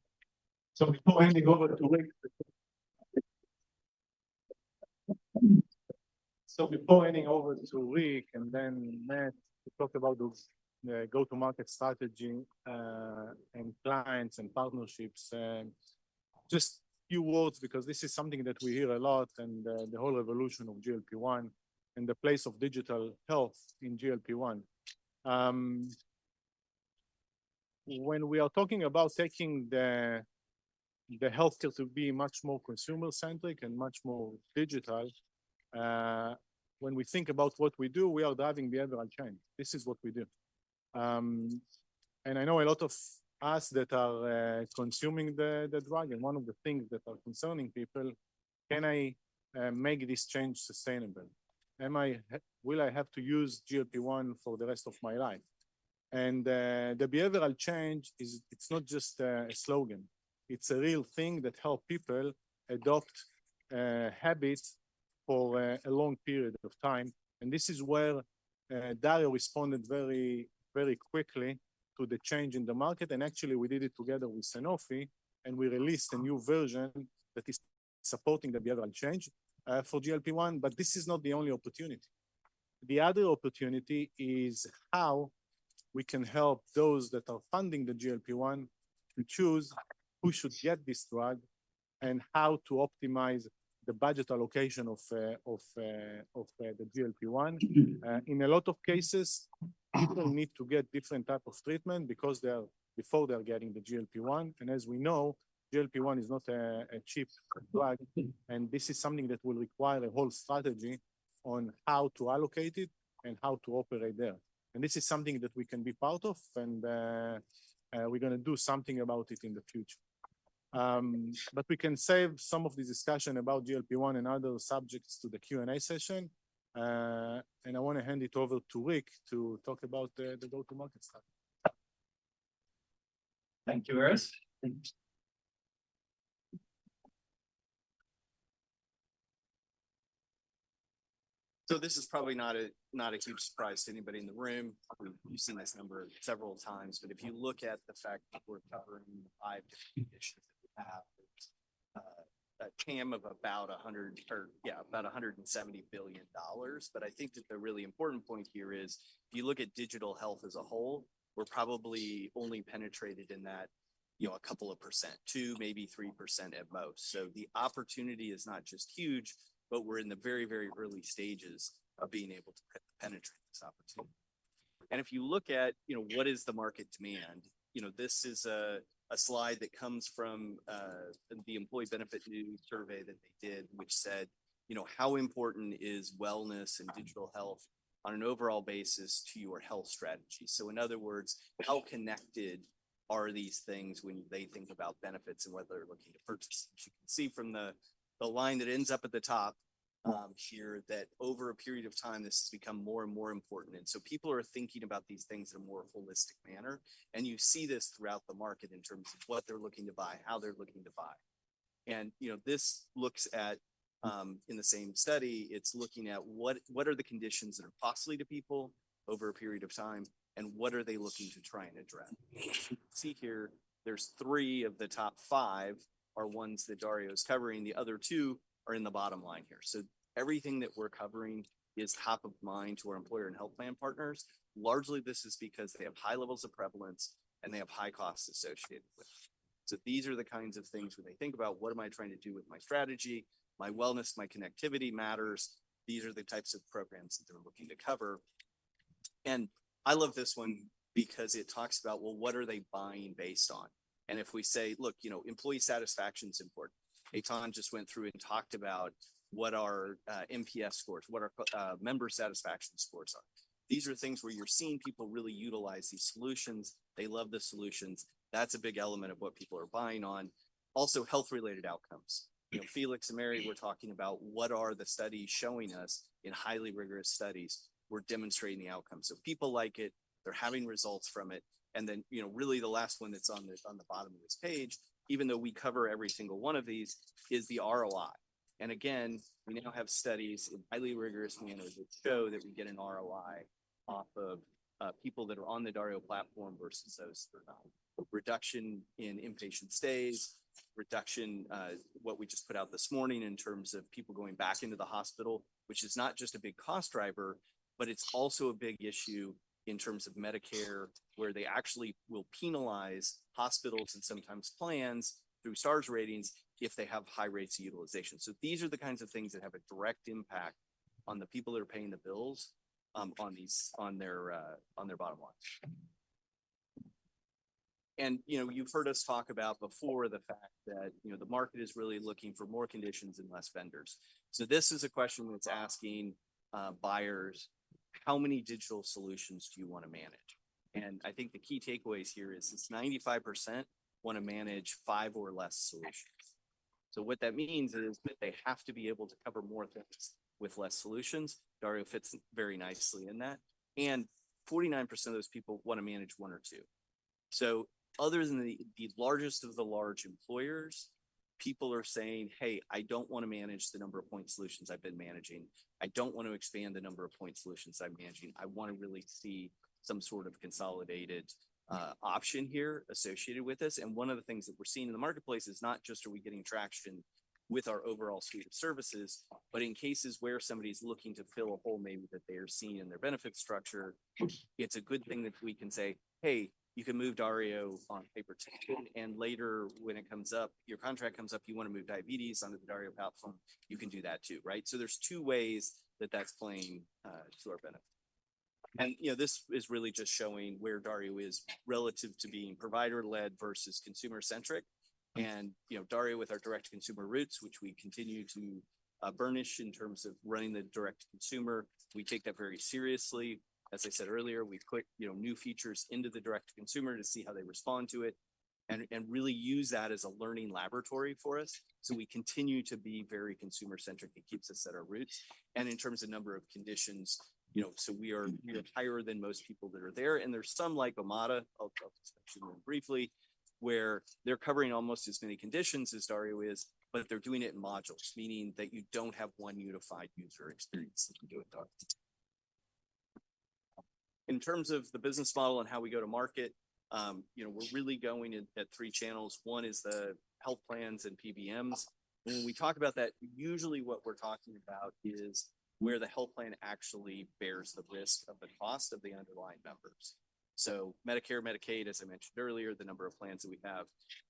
So before handing over to Rick. So before handing over to Rick, and then Matt, to talk about those, go-to-market strategy, and clients and partnerships, and just a few words, because this is something that we hear a lot, and, the whole evolution of GLP-1 and the place of digital health in GLP-1. When we are talking about taking the health care to be much more consumer-centric and much more digitized, when we think about what we do, we are driving behavioral change. This is what we do. And I know a lot of us that are consuming the drug, and one of the things that are concerning people: Can I make this change sustainable? Will I have to use GLP-1 for the rest of my life? The behavioral change is. It's not just a slogan. It's a real thing that help people adopt habits for a long period of time. And this is where Dario responded very, very quickly to the change in the market. And actually, we did it together with Sanofi, and we released a new version that is supporting the behavioral change for GLP-1. But this is not the only opportunity. The other opportunity is how we can help those that are funding the GLP-1 to choose who should get this drug and how to optimize the budget allocation of the GLP-1. In a lot of cases, people need to get different type of treatment because they are before they are getting the GLP-1. As we know, GLP-1 is not a cheap drug, and this is something that will require a whole strategy on how to allocate it and how to operate there. And this is something that we can be part of, and we're gonna do something about it in the future. But we can save some of the discussion about GLP-1 and other subjects to the Q&A session. And I want to hand it over to Rick to talk about the go-to-market strategy. Thank you, Erez. Thank you. So this is probably not a, not a huge surprise to anybody in the room. You've seen this number several times, but if you look at the fact that we're covering five different issues, that we have, a TAM of about 100, or yeah, about $170 billion. But I think that the really important point here is, if you look at digital health as a whole, we're probably only penetrated in that, you know, a couple of percent, 2%, maybe 3% at most. So the opportunity is not just huge, but we're in the very, very early stages of being able to penetrate this opportunity. And if you look at, you know, what is the market demand? You know, this is a slide that comes from the Employee Benefit News survey that they did, which said, you know, "How important is wellness and digital health on an overall basis to your health strategy?" So in other words, how connected are these things when they think about benefits and what they're looking to purchase? You can see from the line that ends up at the top here, that over a period of time, this has become more and more important. So people are thinking about these things in a more holistic manner, and you see this throughout the market in terms of what they're looking to buy, how they're looking to buy. You know, this looks at, in the same study, it's looking at what, what are the conditions that are costly to people over a period of time, and what are they looking to try and address? You can see here, there's three of the top five are ones that Dario is covering, the other two are in the bottom line here. So everything that we're covering is top of mind to our employer and health plan partners. Largely, this is because they have high levels of prevalence, and they have high costs associated with. So these are the kinds of things when they think about: What am I trying to do with my strategy, my wellness, my connectivity matters? These are the types of programs that they're looking to cover. And I love this one because it talks about, well, what are they buying based on? And if we say, look, you know, employee satisfaction is important. Eitan just went through and talked about what are NPS scores, what are member satisfaction scores are. These are things where you're seeing people really utilize these solutions. They love the solutions. That's a big element of what people are buying on. Also, health-related outcomes. You know, Felix and Mary were talking about what are the studies showing us in highly rigorous studies. We're demonstrating the outcomes. So people like it, they're having results from it, and then, you know, really the last one that's on this, on the bottom of this page, even though we cover every single one of these, is the ROI. Again, we now have studies in highly rigorous manners that show that we get an ROI off of people that are on the Dario platform versus those that are not. Reduction in inpatient stays, reduction, what we just put out this morning in terms of people going back into the hospital, which is not just a big cost driver, but it's also a big issue in terms of Medicare, where they actually will penalize hospitals and sometimes plans through Stars Ratings if they have high rates of utilization. So these are the kinds of things that have a direct impact on the people that are paying the bills, on their bottom line. You know, you've heard us talk about before the fact that, you know, the market is really looking for more conditions and less vendors. So this is a question that's asking, buyers: How many digital solutions do you want to manage? And I think the key takeaways here is, it's 95% want to manage five or less solutions. So what that means is that they have to be able to cover more things with less solutions. Dario fits very nicely in that, and 49% of those people want to manage one or two. So other than the, the largest of the large employers, people are saying: "Hey, I don't want to manage the number of point solutions I've been managing. I don't want to expand the number of point solutions I'm managing. I want to really see some sort of consolidated option here associated with this." One of the things that we're seeing in the marketplace is not just are we getting traction with our overall suite of services, but in cases where somebody's looking to fill a hole maybe that they are seeing in their benefit structure, it's a good thing that we can say, "Hey, you can move Dario on paper," and later when it comes up, your contract comes up, you want to move diabetes onto the Dario platform, you can do that too, right? There's two ways that that's playing to our benefit. You know, this is really just showing where Dario is relative to being provider-led versus consumer-centric. And, you know, Dario, with our direct-to-consumer routes, which we continue to burnish in terms of running the direct-to-consumer, we take that very seriously. As I said earlier, we've clicked, you know, new features into the direct-to-consumer to see how they respond to it and really use that as a learning laboratory for us. So we continue to be very consumer-centric. It keeps us at our roots. And in terms of number of conditions, you know, so we are, you know, higher than most people that are there. And there's some, like Omada, I'll mention them briefly, where they're covering almost as many conditions as Dario is, but they're doing it in modules, meaning that you don't have one unified user experience that can do it, though. In terms of the business model and how we go to market, you know, we're really going at, at three channels. One is the health plans and PBMs. When we talk about that, usually what we're talking about is where the health plan actually bears the risk of the cost of the underlying members. So Medicare, Medicaid, as I mentioned earlier, the number of plans that we have,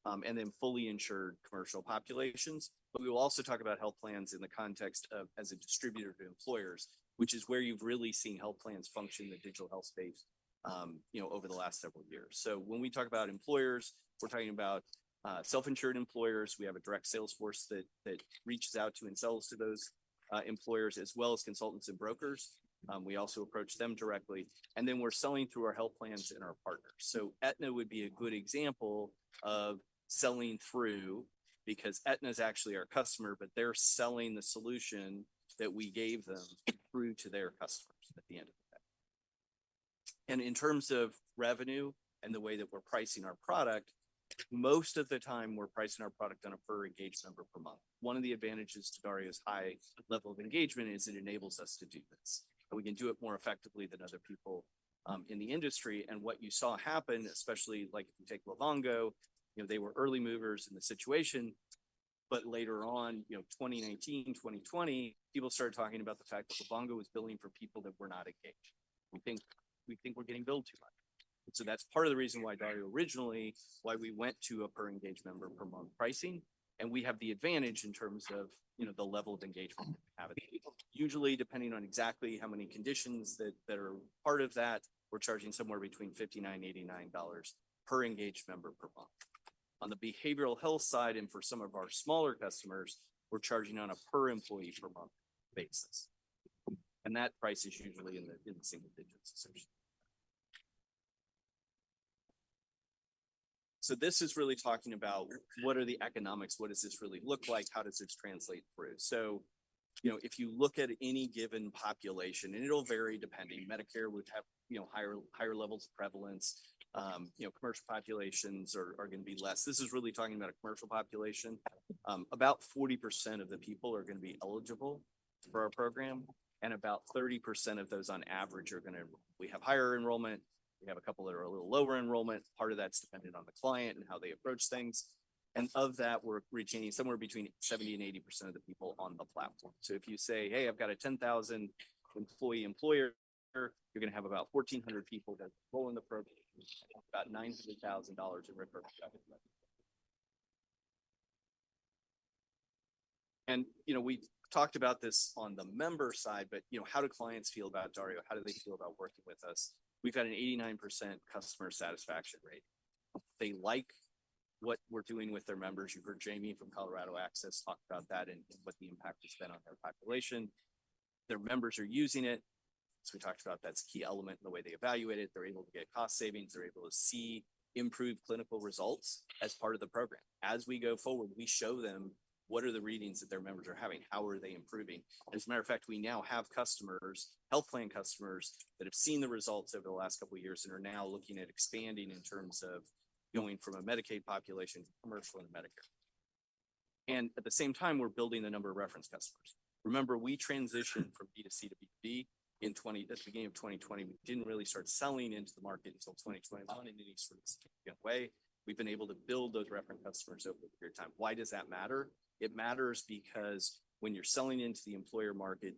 and then fully insured commercial populations. But we will also talk about health plans in the context of as a distributor to employers, which is where you've really seen health plans function in the digital health space, you know, over the last several years. So when we talk about employers, we're talking about, self-insured employers. We have a direct sales force that, that reaches out to and sells to those, employers, as well as consultants and brokers. We also approach them directly, and then we're selling through our health plans and our partners. So Aetna would be a good example of selling through, because Aetna is actually our customer, but they're selling the solution that we gave them through to their customers at the end of the day. And in terms of revenue and the way that we're pricing our product, most of the time we're pricing our product on a per engaged member per month. One of the advantages to Dario's high level of engagement is it enables us to do this, and we can do it more effectively than other people in the industry. And what you saw happen, especially like if you take Livongo, you know, they were early movers in the situation, but later on, you know, 2019, 2020, people started talking about the fact that Livongo was billing for people that were not engaged. "We think, we think we're getting billed too much." So that's part of the reason why Dario originally, why we went to a per engaged member per month pricing, and we have the advantage in terms of, you know, the level of engagement we have with people. Usually, depending on exactly how many conditions that, that are part of that, we're charging somewhere between $59-$89 per engaged member per month. On the behavioral health side and for some of our smaller customers, we're charging on a per employee per month basis, and that price is usually in the, in the single digits. So this is really talking about what are the economics, what does this really look like? How does this translate through? So, you know, if you look at any given population, and it'll vary depending, Medicare would have, you know, higher, higher levels of prevalence, you know, commercial populations are, are going to be less. This is really talking about a commercial population. About 40% of the people are going to be eligible for our program, and about 30% of those, on average, are gonna... We have higher enrollment. We have a couple that are a little lower enrollment. Part of that's dependent on the client and how they approach things. And of that, we're retaining somewhere between 70%-80% of the people on the platform. So if you say, "Hey, I've got a 10,000 employee employer," you're going to have about 1,400 people that enroll in the program, about $900,000 in revenue. And, you know, we talked about this on the member side, but, you know, how do clients feel about Dario? How do they feel about working with us? We've got an 89% customer satisfaction rate. They like what we're doing with their members. You've heard Jamie from Colorado Access talk about that and, and what the impact has been on their population. Their members are using it. So we talked about that's a key element in the way they evaluate it. They're able to get cost savings. They're able to see improved clinical results as part of the program. As we go forward, we show them what are the readings that their members are having? How are they improving? As a matter of fact, we now have customers, health plan customers, that have seen the results over the last couple of years and are now looking at expanding in terms of going from a Medicaid population to commercial and Medicare. And at the same time, we're building the number of reference customers. Remember, we transitioned from B2C2B in 2020 at the beginning of 2020. We didn't really start selling into the market until 2021 in any sort of significant way. We've been able to build those reference customers over a period of time. Why does that matter? It matters because when you're selling into the employer market,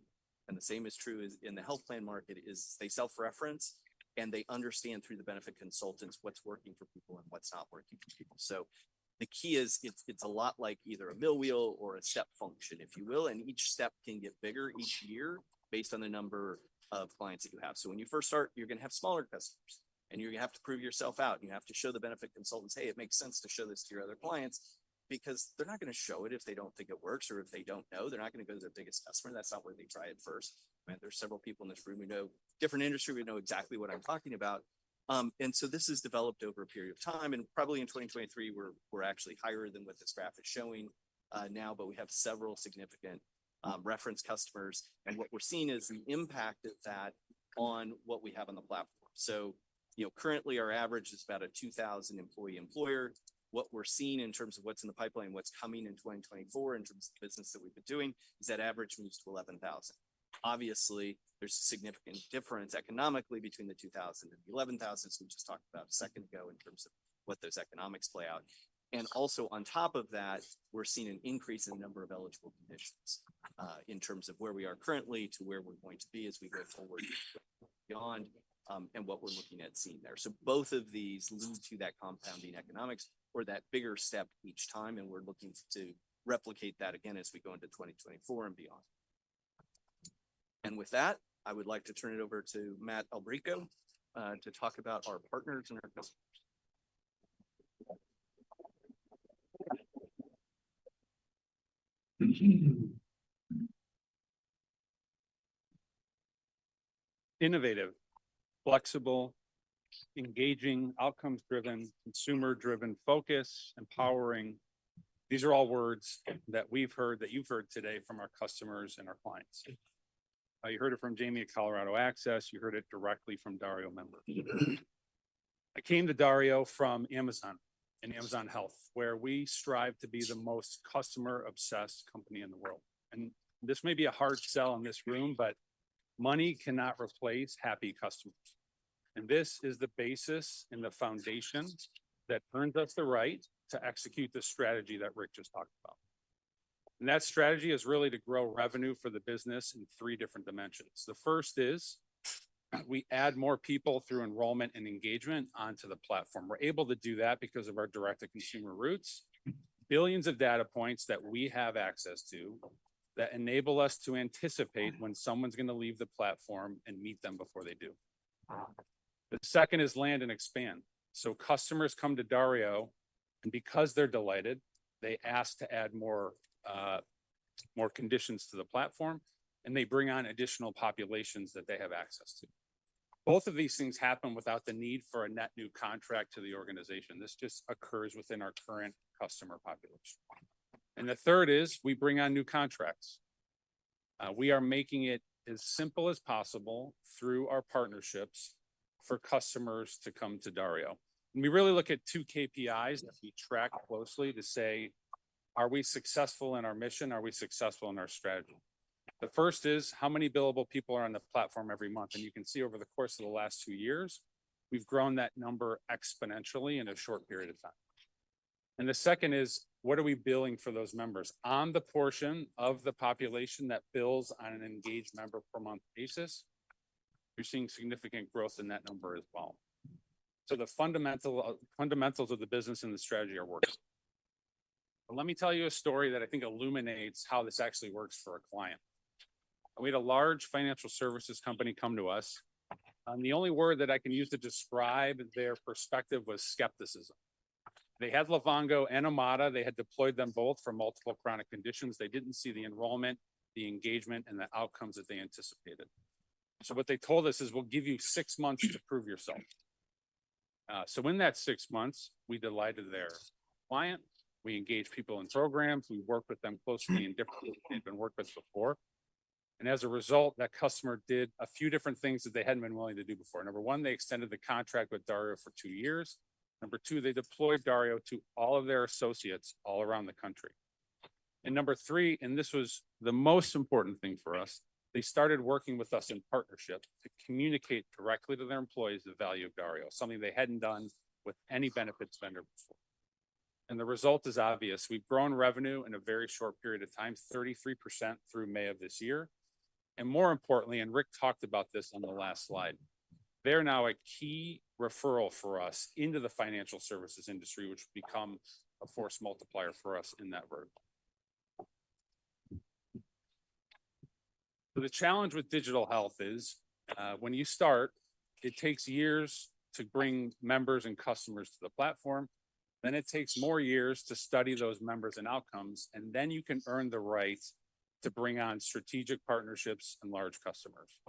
and the same is true as in the health plan market, is they self-reference, and they understand through the benefit consultants what's working for people and what's not working for people. So the key is, it's, it's a lot like either a mill wheel or a step function, if you will, and each step can get bigger each year based on the number of clients that you have. So when you first start, you're going to have smaller customers, and you're going to have to prove yourself out. You have to show the benefit consultants, "Hey, it makes sense to show this to your other clients," because they're not going to show it if they don't think it works or if they don't know. They're not going to go to their biggest customer. That's not where they try it first. And there's several people in this room, we know, different industry, we know exactly what I'm talking about. And so this has developed over a period of time, and probably in 2023, we're, we're actually higher than what this graph is showing, now, but we have several significant reference customers. And what we're seeing is the impact of that on what we have on the platform. So, you know, currently, our average is about a 2000-employee employer. What we're seeing in terms of what's in the pipeline, what's coming in 2024, in terms of the business that we've been doing, is that average moves to 11,000. Obviously, there's a significant difference economically between the 2000 and the 11,000, so we just talked about a second ago in terms of what those economics play out. And also on top of that, we're seeing an increase in the number of eligible conditions, in terms of where we are currently to where we're going to be as we go forward beyond, and what we're looking at seeing there. So both of these lead to that compounding economics or that bigger step each time, and we're looking to replicate that again as we go into 2024 and beyond. And with that, I would like to turn it over to Matt Alberico, to talk about our partners and our customers. Innovative, flexible, engaging, outcomes-driven, consumer-driven focus, empowering. These are all words that we've heard, that you've heard today from our customers and our clients. You heard it from Jamie at Colorado Access. You heard it directly from Dario members. I came to Dario from Amazon and Amazon Health, where we strive to be the most customer-obsessed company in the world. This may be a hard sell in this room, but money cannot replace happy customers. This is the basis and the foundation that earns us the right to execute the strategy that Rick just talked about. That strategy is really to grow revenue for the business in three different dimensions. The first is, we add more people through enrollment and engagement onto the platform. We're able to do that because of our direct-to-consumer roots, billions of data points that we have access to, that enable us to anticipate when someone's gonna leave the platform and meet them before they do. The second is land and expand. So customers come to Dario, and because they're delighted, they ask to add more, more conditions to the platform, and they bring on additional populations that they have access to. Both of these things happen without the need for a net new contract to the organization. This just occurs within our current customer population. And the third is, we bring on new contracts. We are making it as simple as possible through our partnerships for customers to come to Dario. And we really look at two KPIs that we track closely to say: Are we successful in our mission? Are we successful in our strategy? The first is, how many billable people are on the platform every month? And you can see over the course of the last two years, we've grown that number exponentially in a short period of time. And the second is, what are we billing for those members? On the portion of the population that bills on an engaged member per month basis, we're seeing significant growth in that number as well. So the fundamental, fundamentals of the business and the strategy are working. But let me tell you a story that I think illuminates how this actually works for a client. We had a large financial services company come to us, and the only word that I can use to describe their perspective was skepticism. They had Livongo and Omada. They had deployed them both for multiple chronic conditions. They didn't see the enrollment, the engagement, and the outcomes that they anticipated. So what they told us is: "We'll give you six months to prove yourself." So in that six months, we delighted their clients, we engaged people in programs, we worked with them closely and differently than they've been worked with before. And as a result, that customer did a few different things that they hadn't been willing to do before. Number one, they extended the contract with Dario for two years. Number two, they deployed Dario to all of their associates all around the country. And number three, and this was the most important thing for us, they started working with us in partnership to communicate directly to their employees the value of Dario, something they hadn't done with any benefits vendor before. And the result is obvious. We've grown revenue in a very short period of time, 33% through May of this year. More importantly, and Rick talked about this on the last slide, they are now a key referral for us into the financial services industry, which become a force multiplier for us in that vertical. The challenge with digital health is, when you start, it takes years to bring members and customers to the platform, then it takes more years to study those members and outcomes, and then you can earn the right to bring on strategic partnerships and large customers.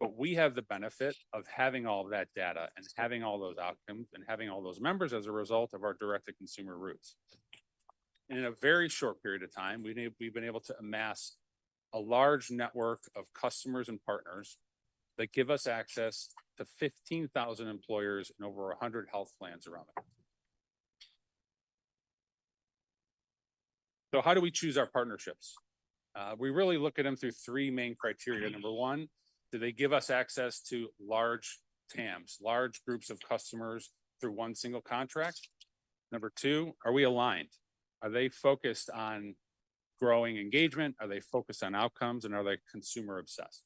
But we have the benefit of having all that data and having all those outcomes, and having all those members as a result of our direct-to-consumer roots. In a very short period of time, we've been able to amass a large network of customers and partners that give us access to 15,000 employers and over 100 health plans around the country. So how do we choose our partnerships? We really look at them through three main criteria. Number one, do they give us access to large TAMs, large groups of customers through one single contract? Number two, are we aligned? Are they focused on growing engagement? Are they focused on outcomes, and are they consumer-obsessed?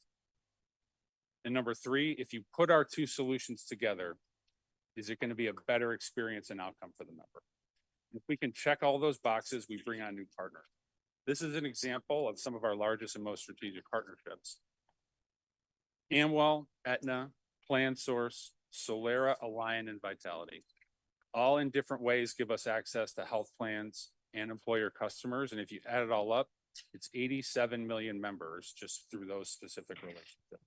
And number three, if you put our two solutions together, is it gonna be a better experience and outcome for the member? If we can check all those boxes, we bring on a new partner. This is an example of some of our largest and most strategic partnerships. Amwell, Aetna, PlanSource, Solera, Alion, and Vitality. All in different ways, give us access to health plans and employer customers, and if you add it all up, it's 87 million members just through those specific relationships.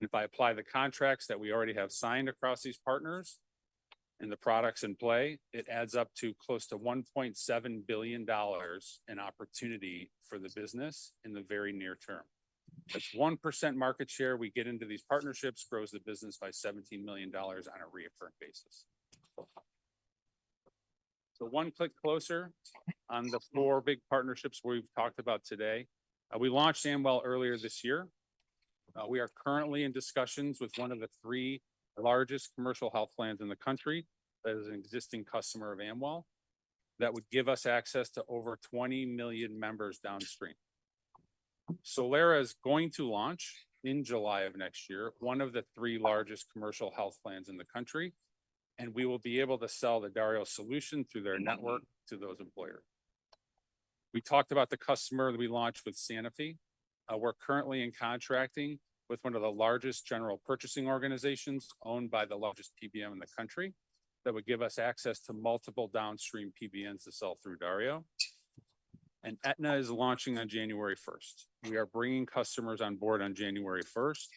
If I apply the contracts that we already have signed across these partners and the products in play, it adds up to close to $1.7 billion in opportunity for the business in the very near term. 1% market share we get into these partnerships grows the business by $17 million on a recurring basis. So one click closer on the four big partnerships we've talked about today. We launched Amwell earlier this year. We are currently in discussions with one of the three largest commercial health plans in the country, that is an existing customer of Amwell. That would give us access to over 20 million members downstream. Solera is going to launch in July of next year, one of the three largest commercial health plans in the country, and we will be able to sell the Dario solution through their network to those employers. We talked about the customer that we launched with Sanofi. We're currently in contracting with one of the largest Group Purchasing Organizations owned by the largest PBM in the country. That would give us access to multiple downstream PBMs to sell through Dario, and Aetna is launching on January first. We are bringing customers on board on January first,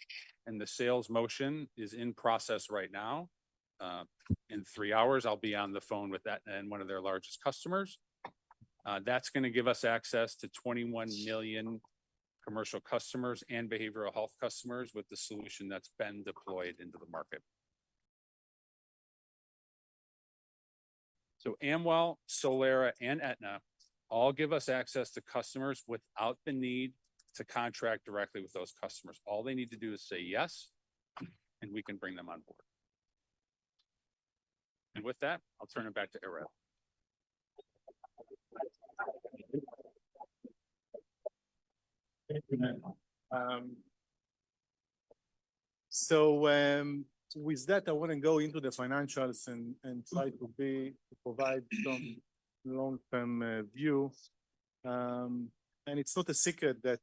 and the sales motion is in process right now. In three hours, I'll be on the phone with Aetna and one of their largest customers. That's gonna give us access to 21 million commercial customers and behavioral health customers with the solution that's been deployed into the market. So Amwell, Solera, and Aetna all give us access to customers without the need to contract directly with those customers. All they need to do is say yes, and we can bring them on board. And with that, I'll turn it back to Erez. Thank you, Matt. So, with that, I want to go into the financials and try to provide some long-term view. It's not a secret that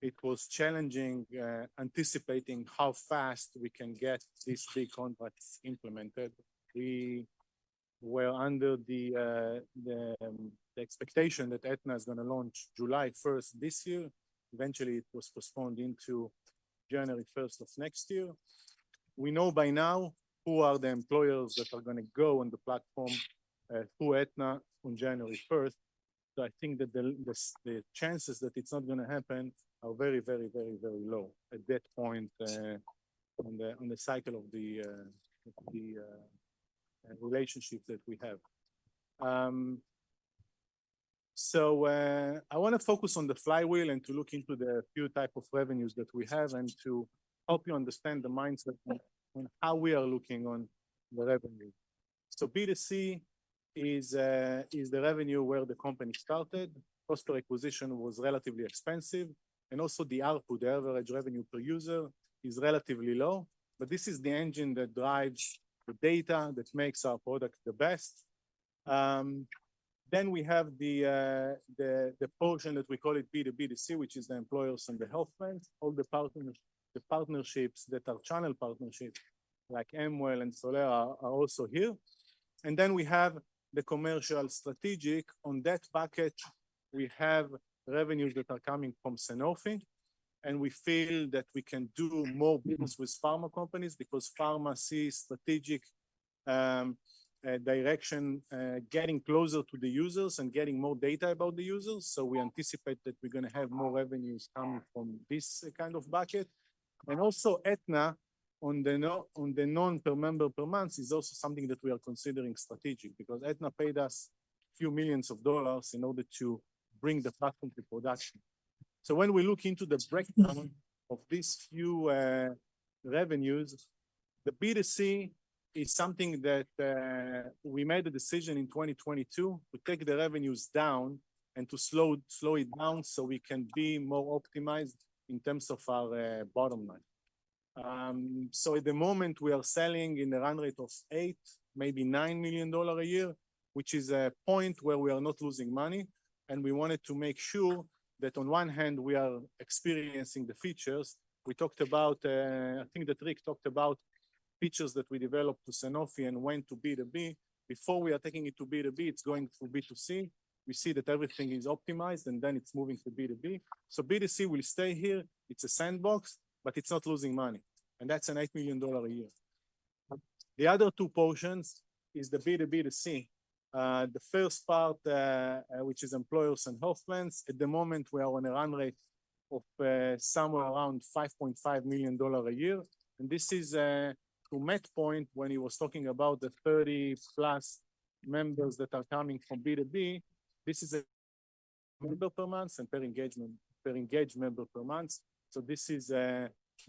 it was challenging anticipating how fast we can get these three contracts implemented. We were under the expectation that Aetna is going to launch July first this year. Eventually, it was postponed into January first of next year. We know by now who are the employers that are going to go on the platform through Aetna on January first. So I think that the chances that it's not going to happen are very, very, very, very low at that point on the cycle of the relationship that we have. So, I want to focus on the flywheel and to look into the few type of revenues that we have and to help you understand the mindset and how we are looking on the revenue. So B2C is, is the revenue where the company started. Customer acquisition was relatively expensive, and also the output, the average revenue per user, is relatively low. But this is the engine that drives the data, that makes our product the best. Then we have the portion that we call it B2B2C, which is the employers and the health plans. All the partnerships that are channel partnerships, like Amwell and Solera, are also here. And then we have the commercial strategic. On that package, we have revenues that are coming from Sanofi, and we feel that we can do more business with pharma companies because pharma sees strategic direction getting closer to the users and getting more data about the users. So we anticipate that we're going to have more revenues coming from this kind of bucket. And also Aetna, on the non per member per month, is also something that we are considering strategic, because Aetna paid us $ a few million in order to bring the platform to production. So when we look into the breakdown of these few revenues, the B2C is something that we made a decision in 2022 to take the revenues down and to slow it down so we can be more optimized in terms of our bottom line. So at the moment, we are selling in a run rate of $8 million-$9 million a year, which is a point where we are not losing money, and we wanted to make sure that on one hand we are experiencing the features we talked about. I think that Rick talked about features that we developed to Sanofi and went to B2B. Before we are taking it to B2B, it's going through B2C. We see that everything is optimized, and then it's moving to B2B. So B2C will stay here. It's a sandbox, but it's not losing money, and that's an $8 million a year. The other two portions is the B2B2C. The first part, which is employers and health plans. At the moment, we are on a run rate of somewhere around $5.5 million a year, and this is to Matt's point, when he was talking about the 30+ members that are coming from B2B, this is a member per month and per engagement, per engaged member per month. So this is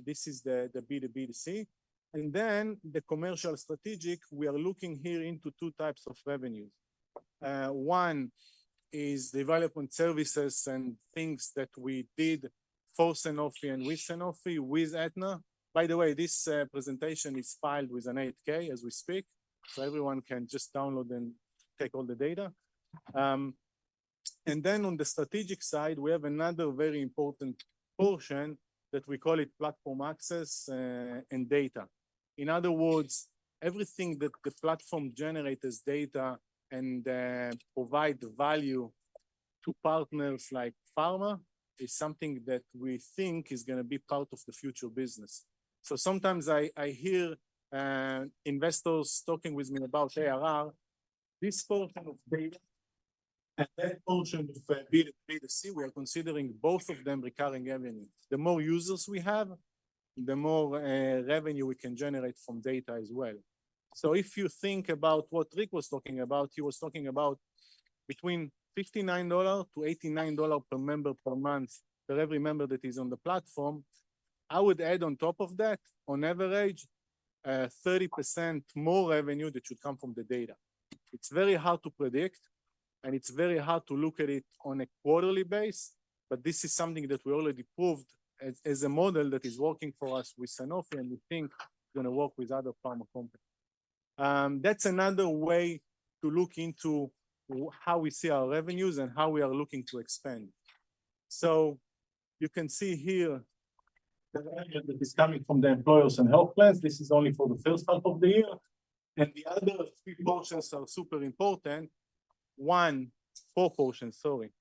this is the the B2B2C. And then the commercial strategic, we are looking here into two types of revenues. One is development services and things that we did for Sanofi and with Sanofi, with Aetna. By the way, this presentation is filed with an 8-K as we speak, so everyone can just download and take all the data. In other words, everything that the platform generates data and provide value to partners like pharma is something that we think is going to be part of the future business. So sometimes I hear investors talking with me about ARR, this whole kind of data and that portion of B2C, we are considering both of them recurring revenue. The more users we have, the more revenue we can generate from data as well. So if you think about what Rick was talking about, he was talking about between $59-$89 per member per month, for every member that is on the platform. I would add on top of that, on average, 30% more revenue that should come from the data. It's very hard to predict, and it's very hard to look at it on a quarterly basis, but this is something that we already proved as, as a model that is working for us with Sanofi, and we think it's going to work with other pharma companies. That's another way to look into how we see our revenues and how we are looking to expand. So you can see here, the revenue that is coming from the employers and health plans, this is only for the first half of the year. And the other three portions are super important. One- four portions, sorry.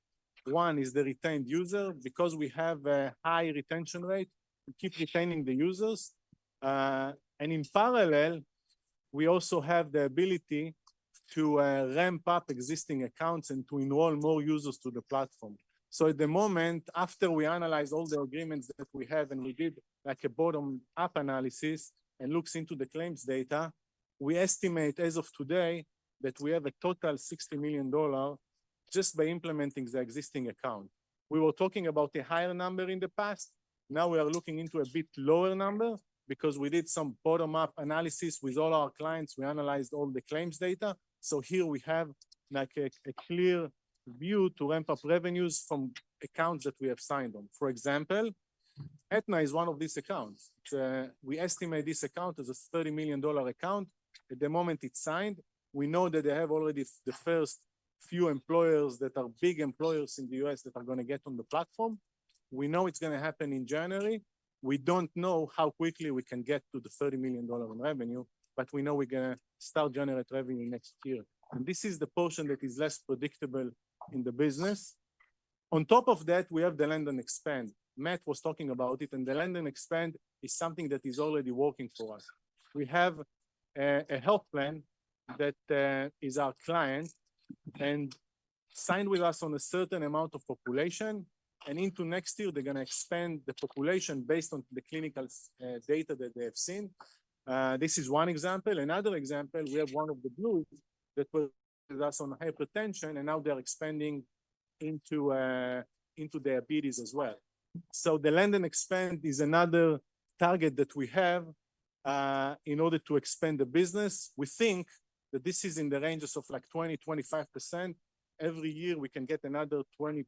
One is the retained user, because we have a high retention rate, we keep retaining the users. And in parallel, we also have the ability to ramp up existing accounts and to enroll more users to the platform. So at the moment, after we analyze all the agreements that we have, and we did, like, a bottom-up analysis and looks into the claims data, we estimate, as of today, that we have a total $60 million just by implementing the existing account. We were talking about a higher number in the past, now we are looking into a bit lower number, because we did some bottom-up analysis with all our clients. We analyzed all the claims data, so here we have, like, a clear view to ramp up revenues from accounts that we have signed on. For example, Aetna is one of these accounts. We estimate this account as a $30 million account. At the moment, it's signed. We know that they have already the first few employers that are big employers in the U.S. that are going to get on the platform. We know it's going to happen in January. We don't know how quickly we can get to the $30 million in revenue, but we know we're going to start generate revenue next year. This is the portion that is less predictable in the business. On top of that, we have the land and expand. Matt was talking about it, and the land and expand is something that is already working for us. We have a health plan that is our client, and signed with us on a certain amount of population, and into next year, they're going to expand the population based on the clinical data that they have seen. This is one example. Another example, we have one of the Blues that worked with us on hypertension, and now they are expanding into diabetes as well. So the land and expand is another target that we have, in order to expand the business. We think that this is in the ranges of, like, 20-25%. Every year, we can get another 20%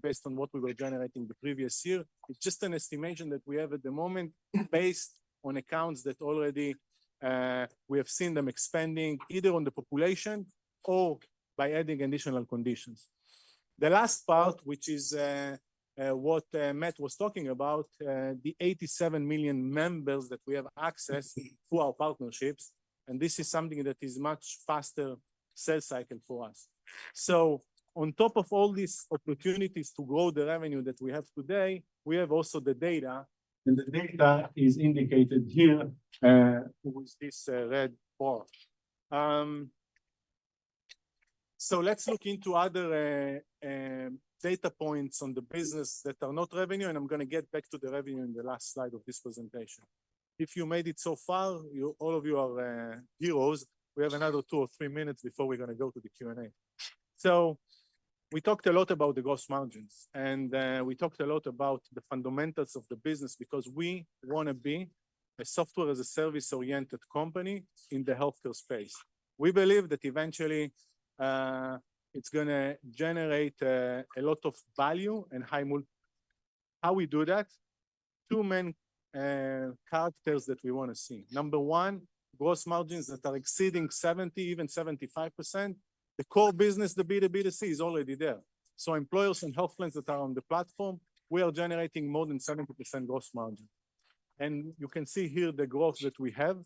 based on what we were generating the previous year. It's just an estimation that we have at the moment, based on accounts that already, we have seen them expanding, either on the population or by adding additional conditions. The last part, which is, what, Matt was talking about, the 87 million members that we have access through our partnerships, and this is something that is much faster sales cycle for us. So on top of all these opportunities to grow the revenue that we have today, we have also the data, and the data is indicated here, with this, red bar. So let's look into other data points on the business that are not revenue, and I'm going to get back to the revenue in the last slide of this presentation. If you made it so far, you, all of you are heroes. We have another two or three minutes before we're going to go to the Q&A. So we talked a lot about the gross margins, and we talked a lot about the fundamentals of the business, because we want to be a software-as-a-service-oriented company in the healthcare space. We believe that eventually, it's going to generate a lot of value and high mul... How we do that? Two main characters that we want to see. Number one, gross margins that are exceeding 70%, even 75%. The core business, the B2B2C, is already there. So employers and health plans that are on the platform, we are generating more than 70% gross margin. You can see here the growth that we have,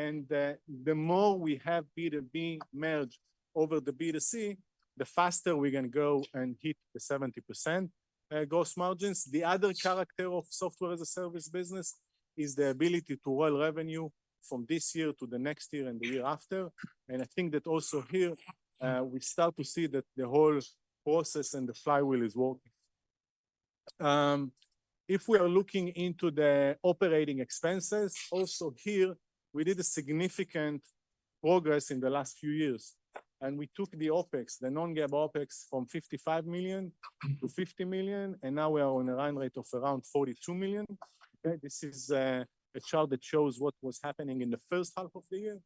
and the more we have B2B merged over the B2C, the faster we're going to grow and hit the 70% gross margins. The other character of software-as-a-service business is the ability to grow revenue from this year to the next year and the year after. I think that also here, we start to see that the whole process and the flywheel is working. If we are looking into the operating expenses, also here, we did a significant progress in the last few years, and we took the OpEx, the non-GAAP OpEx, from $55 million-$50 million, and now we are on a run rate of around $42 million. Okay, this is a chart that shows what was happening in the first half of the year.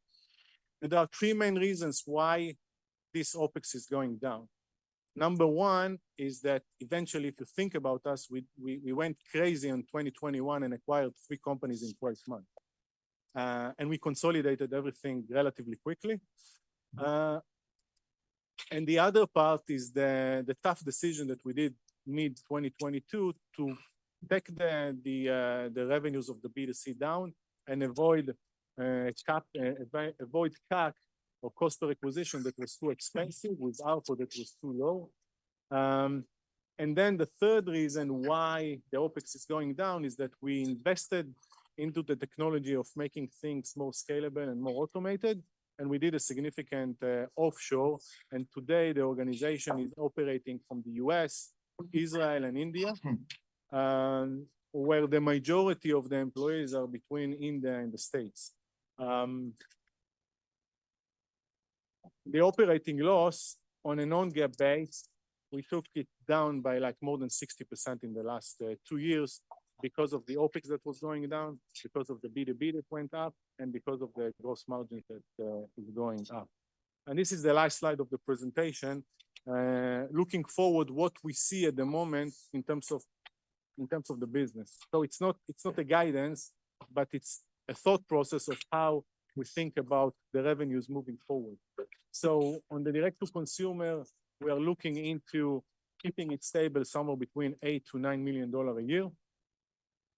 There are three main reasons why this OpEx is going down. Number one is that eventually, if you think about us, we went crazy in 2021 and acquired three companies in four months, and we consolidated everything relatively quickly. And the other part is the tough decision that we did mid-2022 to back the revenues of the B2C down and avoid CAC, or cost of acquisition, that was too expensive with output that was too low. And then the third reason why the OpEx is going down is that we invested into the technology of making things more scalable and more automated, and we did a significant offshore, and today the organization is operating from the U.S., Israel, and India, where the majority of the employees are between India and the States. The operating loss on a non-GAAP base, we took it down by, like, more than 60% in the last two years because of the OpEx that was going down, because of the B2B that went up, and because of the gross margin that is going up. This is the last slide of the presentation. Looking forward, what we see at the moment in terms of the business. So it's not, it's not a guidance, but it's a thought process of how we think about the revenues moving forward. So on the direct-to-consumer, we are looking into keeping it stable, somewhere between $8 million-$9 million a year.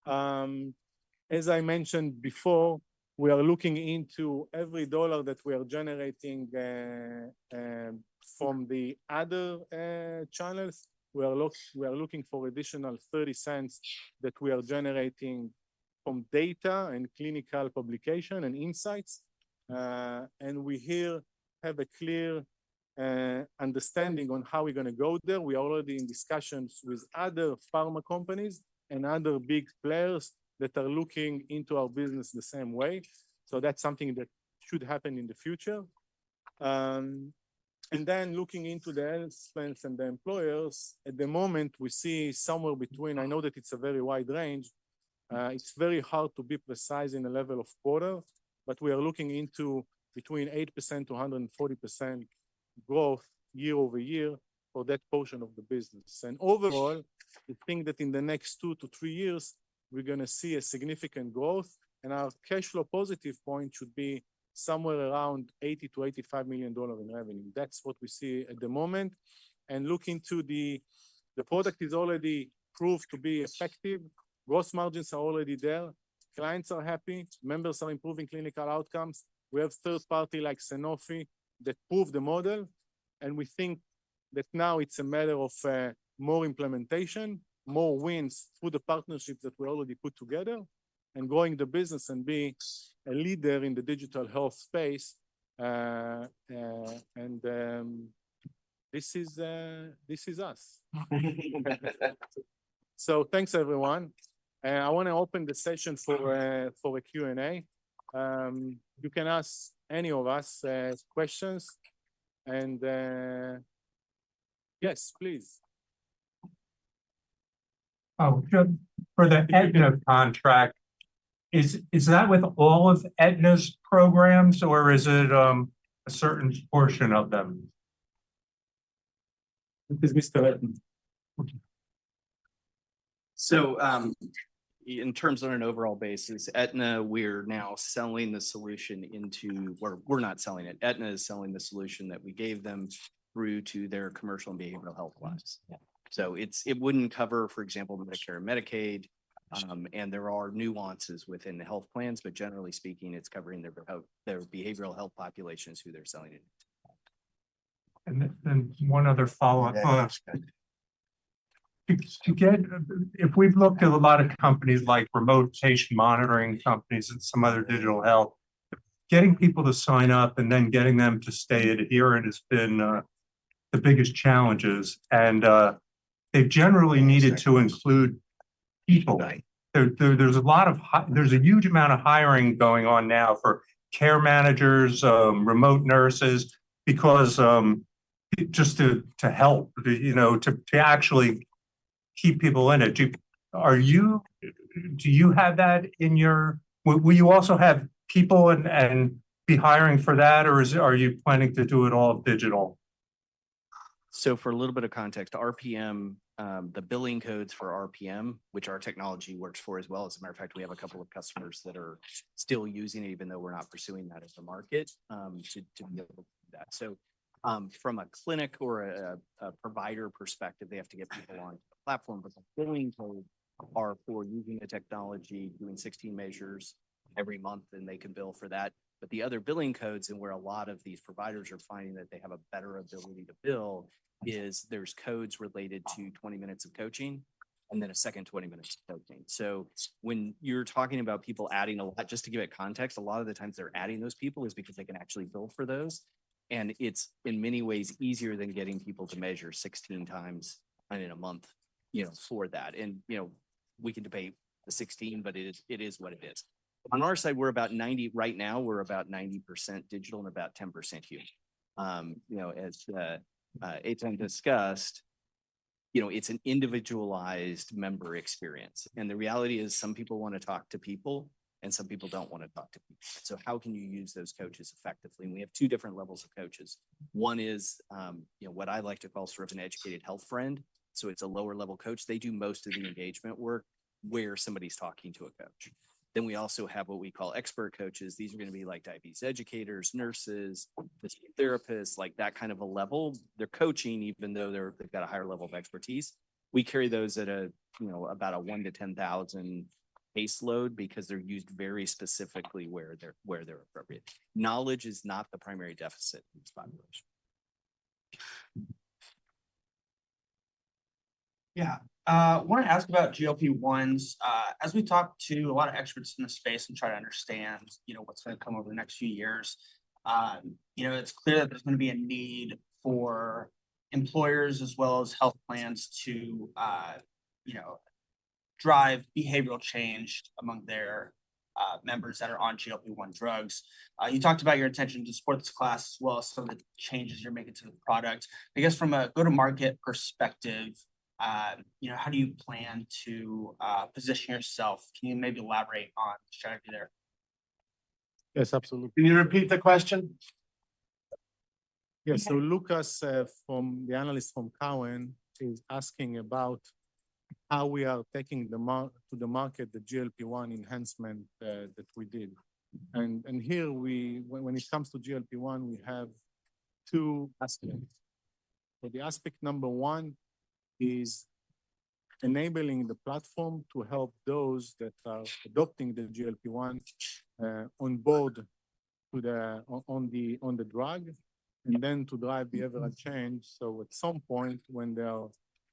As I mentioned before, we are looking into every dollar that we are generating from the other channels. We are looking for additional $0.30 that we are generating from data and clinical publication and insights. And we here have a clear understanding on how we're gonna go there. We are already in discussions with other pharma companies and other big players that are looking into our business the same way, so that's something that should happen in the future. And then looking into the health plans and the employers, at the moment, we see somewhere between... I know that it's a very wide range. It's very hard to be precise in the level of quarter, but we are looking into between 8%-140% growth year-over-year for that portion of the business. Overall, we think that in the next two to three years, we're gonna see a significant growth, and our cash flow positive point should be somewhere around $80-$85 million in revenue. That's what we see at the moment. Looking to the product is already proved to be effective. Gross margins are already there. Clients are happy. Members are improving clinical outcomes. We have third party like Sanofi that prove the model, and we think that now it's a matter of more implementation, more wins through the partnerships that we already put together, and growing the business and being a leader in the digital health space. And this is us. So thanks, everyone. I wanna open the session for a Q&A. You can ask any of us questions, and... Yes, please. Oh, good. For the Aetna contract, is that with all of Aetna's programs, or is it a certain portion of them? This is Mr. Eitan. So, in terms on an overall basis, Aetna, we're now selling the solution into... Well, we're not selling it. Aetna is selling the solution that we gave them through to their commercial and behavioral health plans. So it's, it wouldn't cover, for example, Medicare and Medicaid, and there are nuances within the health plans, but generally speaking, it's covering their behavioral health populations who they're selling it. Then one other follow-up ask. To get. If we've looked at a lot of companies, like remote patient monitoring companies and some other digital health, getting people to sign up and then getting them to stay adherent has been the biggest challenges, and they've generally needed to include people. Right. There's a huge amount of hiring going on now for care managers, remote nurses, because just to help, you know, to actually keep people in it. Are you, do you have that in your... Will you also have people and be hiring for that, or are you planning to do it all digital? So for a little bit of context, RPM, the billing codes for RPM, which our technology works for as well, as a matter of fact, we have a couple of customers that are still using it, even though we're not pursuing that as a market, should to be able to do that. So from a clinic or a provider perspective, they have to get people on the platform, but the billing codes are for using the technology, doing 16 measures every month, and they can bill for that. But the other billing codes, and where a lot of these providers are finding that they have a better ability to bill, is there's codes related to 20 minutes of coaching and then a second 20 minutes of coaching. So when you're talking about people adding a lot, just to give it context, a lot of the times they're adding those people is because they can actually bill for those, and it's, in many ways, easier than getting people to measure 16x in a month, you know, for that. And, you know, we can debate the 16, but it is, it is what it is. On our side, we're about 90-- Right now, we're about 90% digital and about 10% human. You know, as Eitan discussed, you know, it's an individualized member experience, and the reality is, some people wanna talk to people, and some people don't wanna talk to people. So how can you use those coaches effectively? And we have two different levels of coaches. One is, you know, what I like to call sort of an educated health friend, so it's a lower level coach. They do most of the engagement work where somebody's talking to a coach. Then we also have what we call expert coaches. These are gonna be like diabetes educators, nurses, physical therapists, like that kind of a level. They're coaching, even though they're, they've got a higher level of expertise. We carry those at a, you know, about a 1-10,000 caseload because they're used very specifically where they're appropriate. Knowledge is not the primary deficit in this population. Yeah. I wanted to ask about GLP-1s. As we talk to a lot of experts in this space and try to understand, you know, what's gonna come over the next few years, you know, it's clear that there's gonna be a need for employers as well as health plans to, you know, drive behavioral change among their members that are on GLP-1 drugs. You talked about your attention to sports class as well as some of the changes you're making to the product. I guess from a go-to-market perspective, you know, how do you plan to position yourself? Can you maybe elaborate on the strategy there? Yes, absolutely. Can you repeat the question? Yeah. Okay. So Lucas, the analyst from Cowen, is asking about how we are taking to the market the GLP-1 enhancement that we did. And here when it comes to GLP-1, we have two aspects. So the aspect number one is enabling the platform to help those that are adopting the GLP-1 on board to the drug, and then to drive behavioral change. So at some point, when they are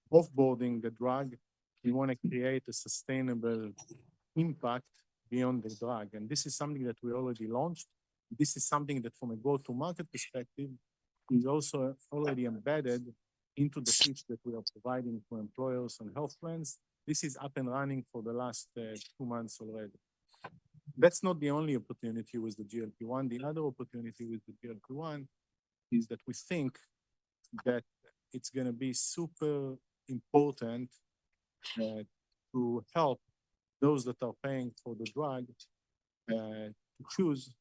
off-boarding the drug, we wanna create a sustainable impact beyond the drug. And this is something that we already launched. This is something that, from a go-to-market perspective, is also already embedded into the suite that we are providing for employers and health plans. This is up and running for the last two months already. That's not the only opportunity with the GLP-1. The other opportunity with the GLP-1 is that we think that it's gonna be super important, to help those that are paying for the drug, to choose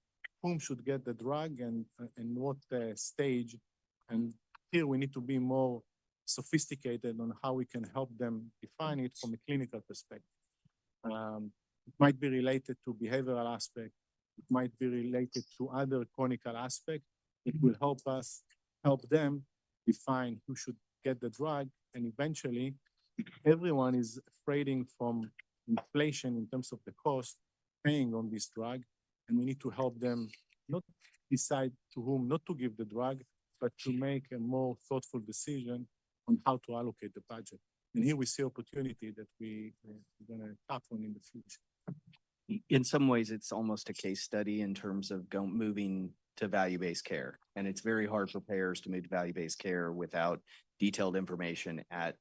whom should get the drug and, and what, stage. And here we need to be more sophisticated on how we can help them define it from a clinical perspective. It might be related to behavioral aspect, it might be related to other chronic aspect. It will help us help them define who should get the drug, and eventually, everyone is afraid from inflation in terms of the cost paying on this drug, and we need to help them not decide to whom not to give the drug, but to make a more thoughtful decision on how to allocate the budget. And here we see opportunity that we're gonna act on in the future. In some ways, it's almost a case study in terms of moving to value-based care, and it's very hard for payers to move to value-based care without detailed information at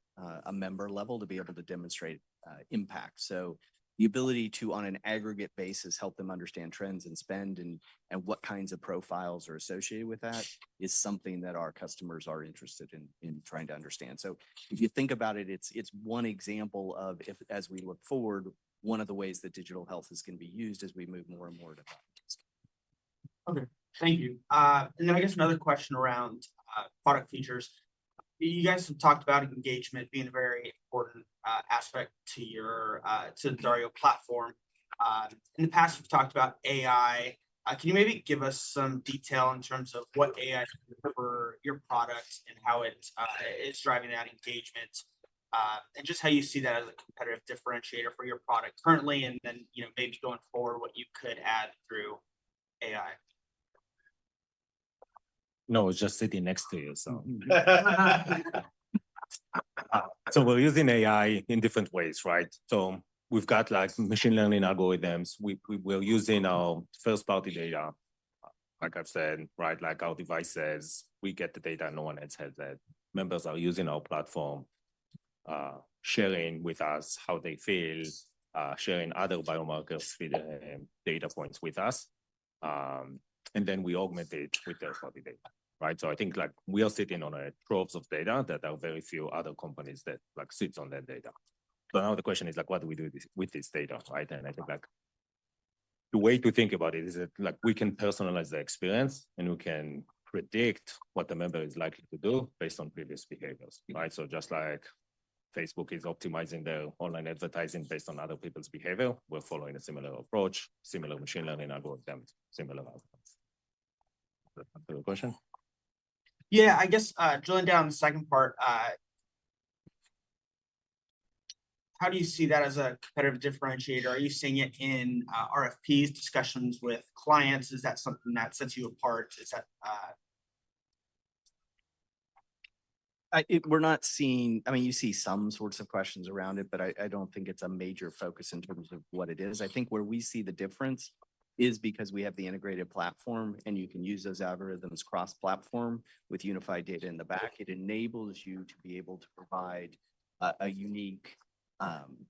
a member level to be able to demonstrate impact. So the ability to, on an aggregate basis, help them understand trends and spend and what kinds of profiles are associated with that, is something that our customers are interested in trying to understand. So if you think about it, it's one example of as we look forward, one of the ways that digital health is gonna be used as we move more and more to value-based care. Okay, thank you. And then I guess another question around product features. You guys have talked about engagement being a very important aspect to the Dario platform. In the past, you've talked about AI. Can you maybe give us some detail in terms of what AI does for your products and how it is driving that engagement and just how you see that as a competitive differentiator for your product currently, and then, you know, maybe going forward, what you could add through AI? No, he's just sitting next to you, so. So we're using AI in different ways, right? So we've got, like, machine learning algorithms. We're using our first-party data, like I've said, right? Like our devices, we get the data, and no one else has that. Members are using our platform, sharing with us how they feel, sharing other biomarkers data, data points with us, and then we augment it with third-party data, right? So I think, like, we are sitting on a troves of data that are very few other companies that, like, sits on that data. So now the question is, like, what do we do with this, with this data, right? Yeah. I think, like, the way to think about it is that, like, we can personalize the experience, and we can predict what the member is likely to do based on previous behaviors, right? So just like Facebook is optimizing their online advertising based on other people's behavior, we're following a similar approach, similar machine learning algorithms, similar methods. Does that answer your question? Yeah, I guess, drilling down on the second part, how do you see that as a competitive differentiator? Are you seeing it in, RFPs, discussions with clients? Is that something that sets you apart? Is that... We're not seeing—I mean, you see some sorts of questions around it, but I don't think it's a major focus in terms of what it is. I think where we see the difference is because we have the integrated platform, and you can use those algorithms cross-platform with unified data in the back. It enables you to be able to provide a unique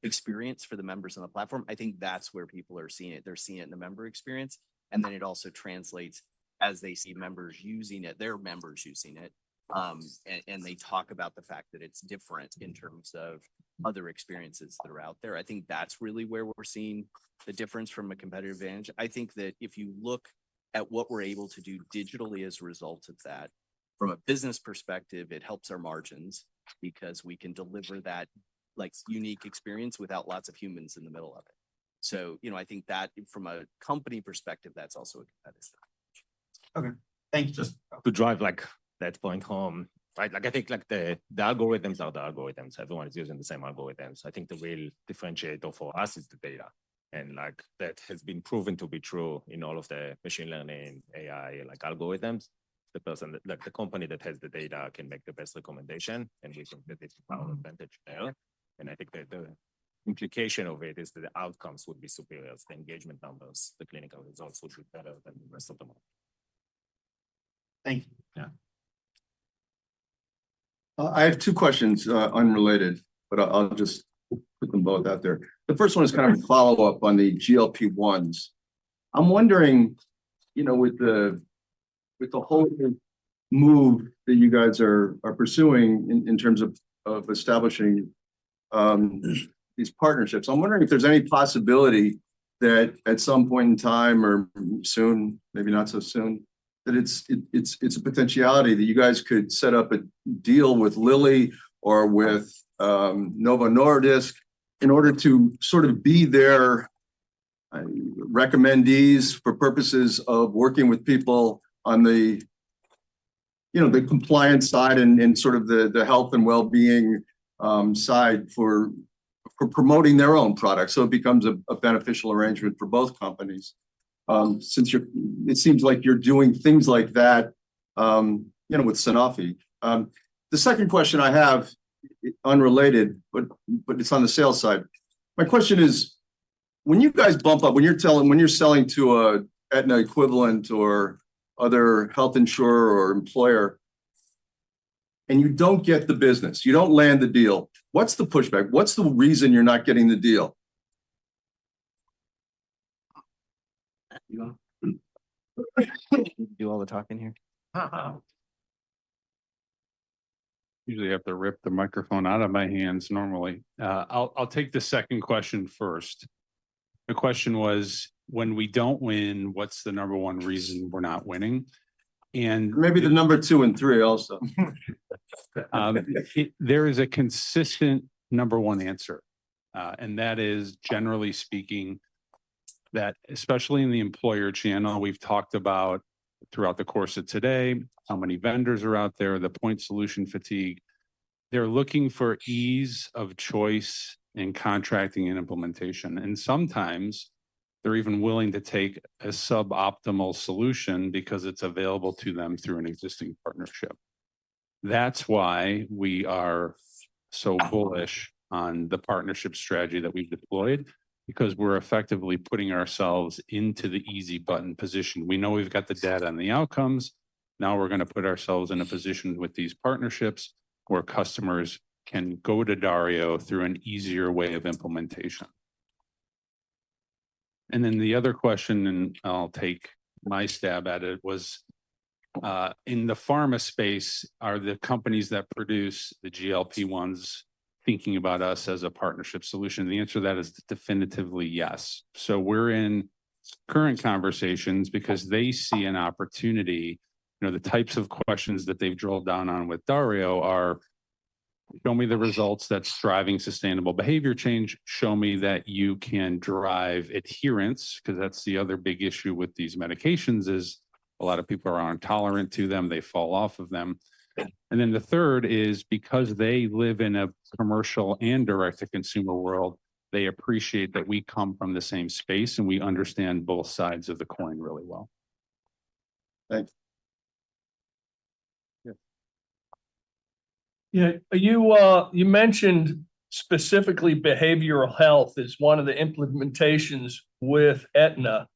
experience for the members on the platform. I think that's where people are seeing it. They're seeing it in the member experience, and then it also translates as they see members using it, their members using it. And they talk about the fact that it's different in terms of other experiences that are out there. I think that's really where we're seeing the difference from a competitive advantage. I think that if you look at what we're able to do digitally as a result of that. From a business perspective, it helps our margins because we can deliver that, like, unique experience without lots of humans in the middle of it. So, you know, I think that from a company perspective, that's also a good thing. Okay, thank you. To drive, like, that point home, right? Like, I think, like, the algorithms are the algorithms. Everyone is using the same algorithms. I think the real differentiator for us is the data, and, like, that has been proven to be true in all of the machine learning, AI, like, algorithms. The person, like, the company that has the data can make the best recommendation, and we think that it's a power advantage there. And I think that the implication of it is that the outcomes would be superior, the engagement numbers, the clinical results, which are better than the rest of them all. Thank you. Yeah. I have two questions, unrelated, but I'll just put them both out there. The first one is kind of a follow-up on the GLP-1s. I'm wondering, you know, with the whole move that you guys are pursuing in terms of establishing these partnerships, I'm wondering if there's any possibility that at some point in time or soon, maybe not so soon, that it's a potentiality that you guys could set up a deal with Lilly or with Novo Nordisk in order to sort of be their recommendees for purposes of working with people on the, you know, the compliance side and sort of the health and well-being side for promoting their own products. So it becomes a beneficial arrangement for both companies, since it seems like you're doing things like that, you know, with Sanofi. The second question I have, unrelated, but it's on the sales side. My question is: when you're selling to an Aetna equivalent or other health insurer or employer, and you don't get the business, you don't land the deal, what's the pushback? What's the reason you're not getting the deal? You want- I do all the talking here. Uh-uh. Usually you have to rip the microphone out of my hands normally. I'll take the second question first. The question was, when we don't win, what's the number one reason we're not winning? And- Maybe the number two and three also. There is a consistent number one answer, and that is, generally speaking, that especially in the employer channel we've talked about throughout the course of today, how many vendors are out there, the point solution fatigue, they're looking for ease of choice in contracting and implementation. And sometimes they're even willing to take a suboptimal solution because it's available to them through an existing partnership. That's why we are so bullish on the partnership strategy that we've deployed, because we're effectively putting ourselves into the easy button position. We know we've got the data and the outcomes. Now we're gonna put ourselves in a position with these partnerships where customers can go to Dario through an easier way of implementation. And then the other question, and I'll take my stab at it, was, in the pharma space, are the companies that produce the GLP-1s thinking about us as a partnership solution? The answer to that is definitively yes. So we're in current conversations because they see an opportunity. You know, the types of questions that they've drilled down on with Dario are: "Show me the results that's driving sustainable behavior change. Show me that you can drive adherence," 'cause that's the other big issue with these medications, is a lot of people are intolerant to them, they fall off of them. And then the third is because they live in a commercial and direct-to-consumer world, they appreciate that we come from the same space, and we understand both sides of the coin really well. Thanks. Yeah. Yeah, you, you mentioned specifically behavioral health as one of the implementations with Aetna.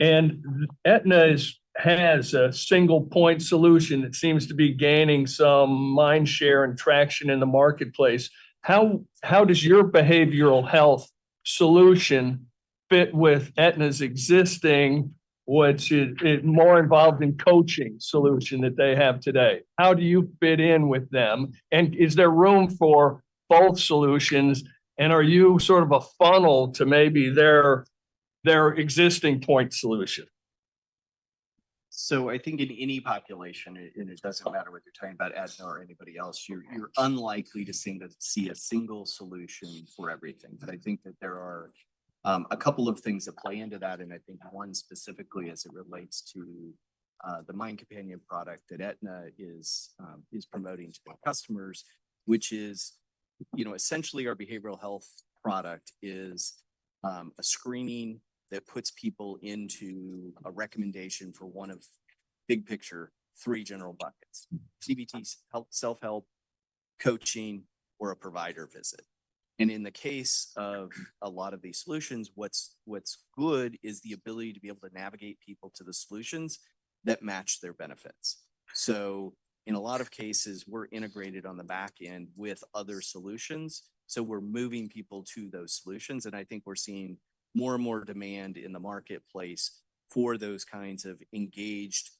Aetna has a single-point solution that seems to be gaining some mind share and traction in the marketplace. How, how does your behavioral health solution fit with Aetna's existing, which is, is more involved in coaching solution that they have today? How do you fit in with them, and is there room for both solutions, and are you sort of a funnel to maybe their, their existing point solution? So I think in any population, and it doesn't matter whether you're talking about Aetna or anybody else, you're unlikely to see a single solution for everything. But I think that there are a couple of things that play into that, and I think one specifically as it relates to the Mind Companion product that Aetna is promoting to their customers, which is. You know, essentially, our behavioral health product is a screening that puts people into a recommendation for one of, big picture, three general buckets: CBT, self-help, coaching, or a provider visit. And in the case of a lot of these solutions, what's good is the ability to be able to navigate people to the solutions that match their benefits. So in a lot of cases, we're integrated on the back end with other solutions, so we're moving people to those solutions. And I think we're seeing more and more demand in the marketplace for those kinds of engaged,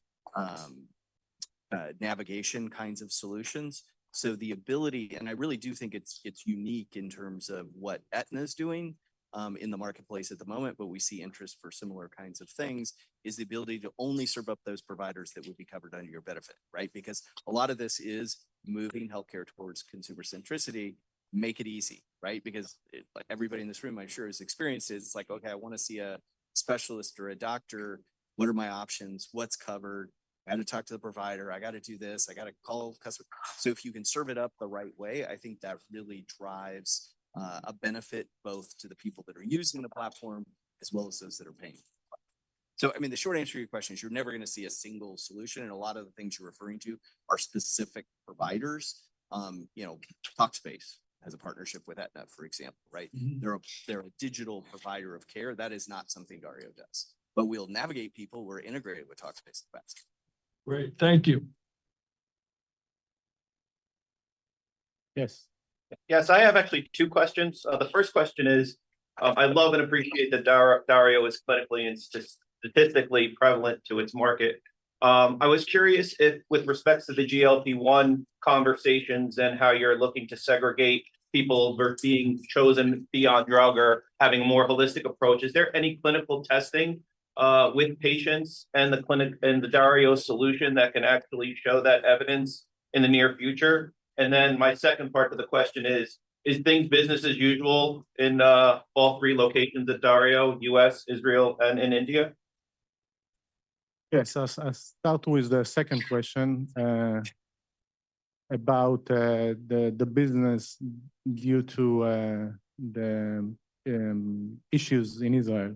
navigation kinds of solutions. So the ability, and I really do think it's, it's unique in terms of what Aetna is doing, in the marketplace at the moment, but we see interest for similar kinds of things, is the ability to only serve up those providers that would be covered under your benefit, right? Because a lot of this is moving healthcare towards consumer centricity. Make it easy, right? Because it, like, everybody in this room, I'm sure, has experienced this. It's like, okay, I want to see a specialist or a doctor, what are my options? What's covered? I have to talk to the provider. I got to do this. I got to call customer... So if you can serve it up the right way, I think that really drives a benefit both to the people that are using the platform as well as those that are paying. So, I mean, the short answer to your question is you're never going to see a single solution, and a lot of the things you're referring to are specific providers. You know, Talkspace has a partnership with Aetna, for example, right? Mm-hmm. They're a digital provider of care. That is not something Dario does. But we'll navigate people. We're integrated with Talkspace, the best. Great. Thank you. Yes. Yes, I have actually two questions. The first question is, I love and appreciate that Dario is clinically and statistically prevalent to its market. I was curious if, with respects to the GLP-1 conversations and how you're looking to segregate people who are being chosen beyond drug or having a more holistic approach, is there any clinical testing with patients and the Dario solution that can actually show that evidence in the near future? And then my second part to the question is, is things business as usual in all three locations of Dario, U.S., Israel, and in India? Yes, so I'll start with the second question about the business due to the issues in Israel.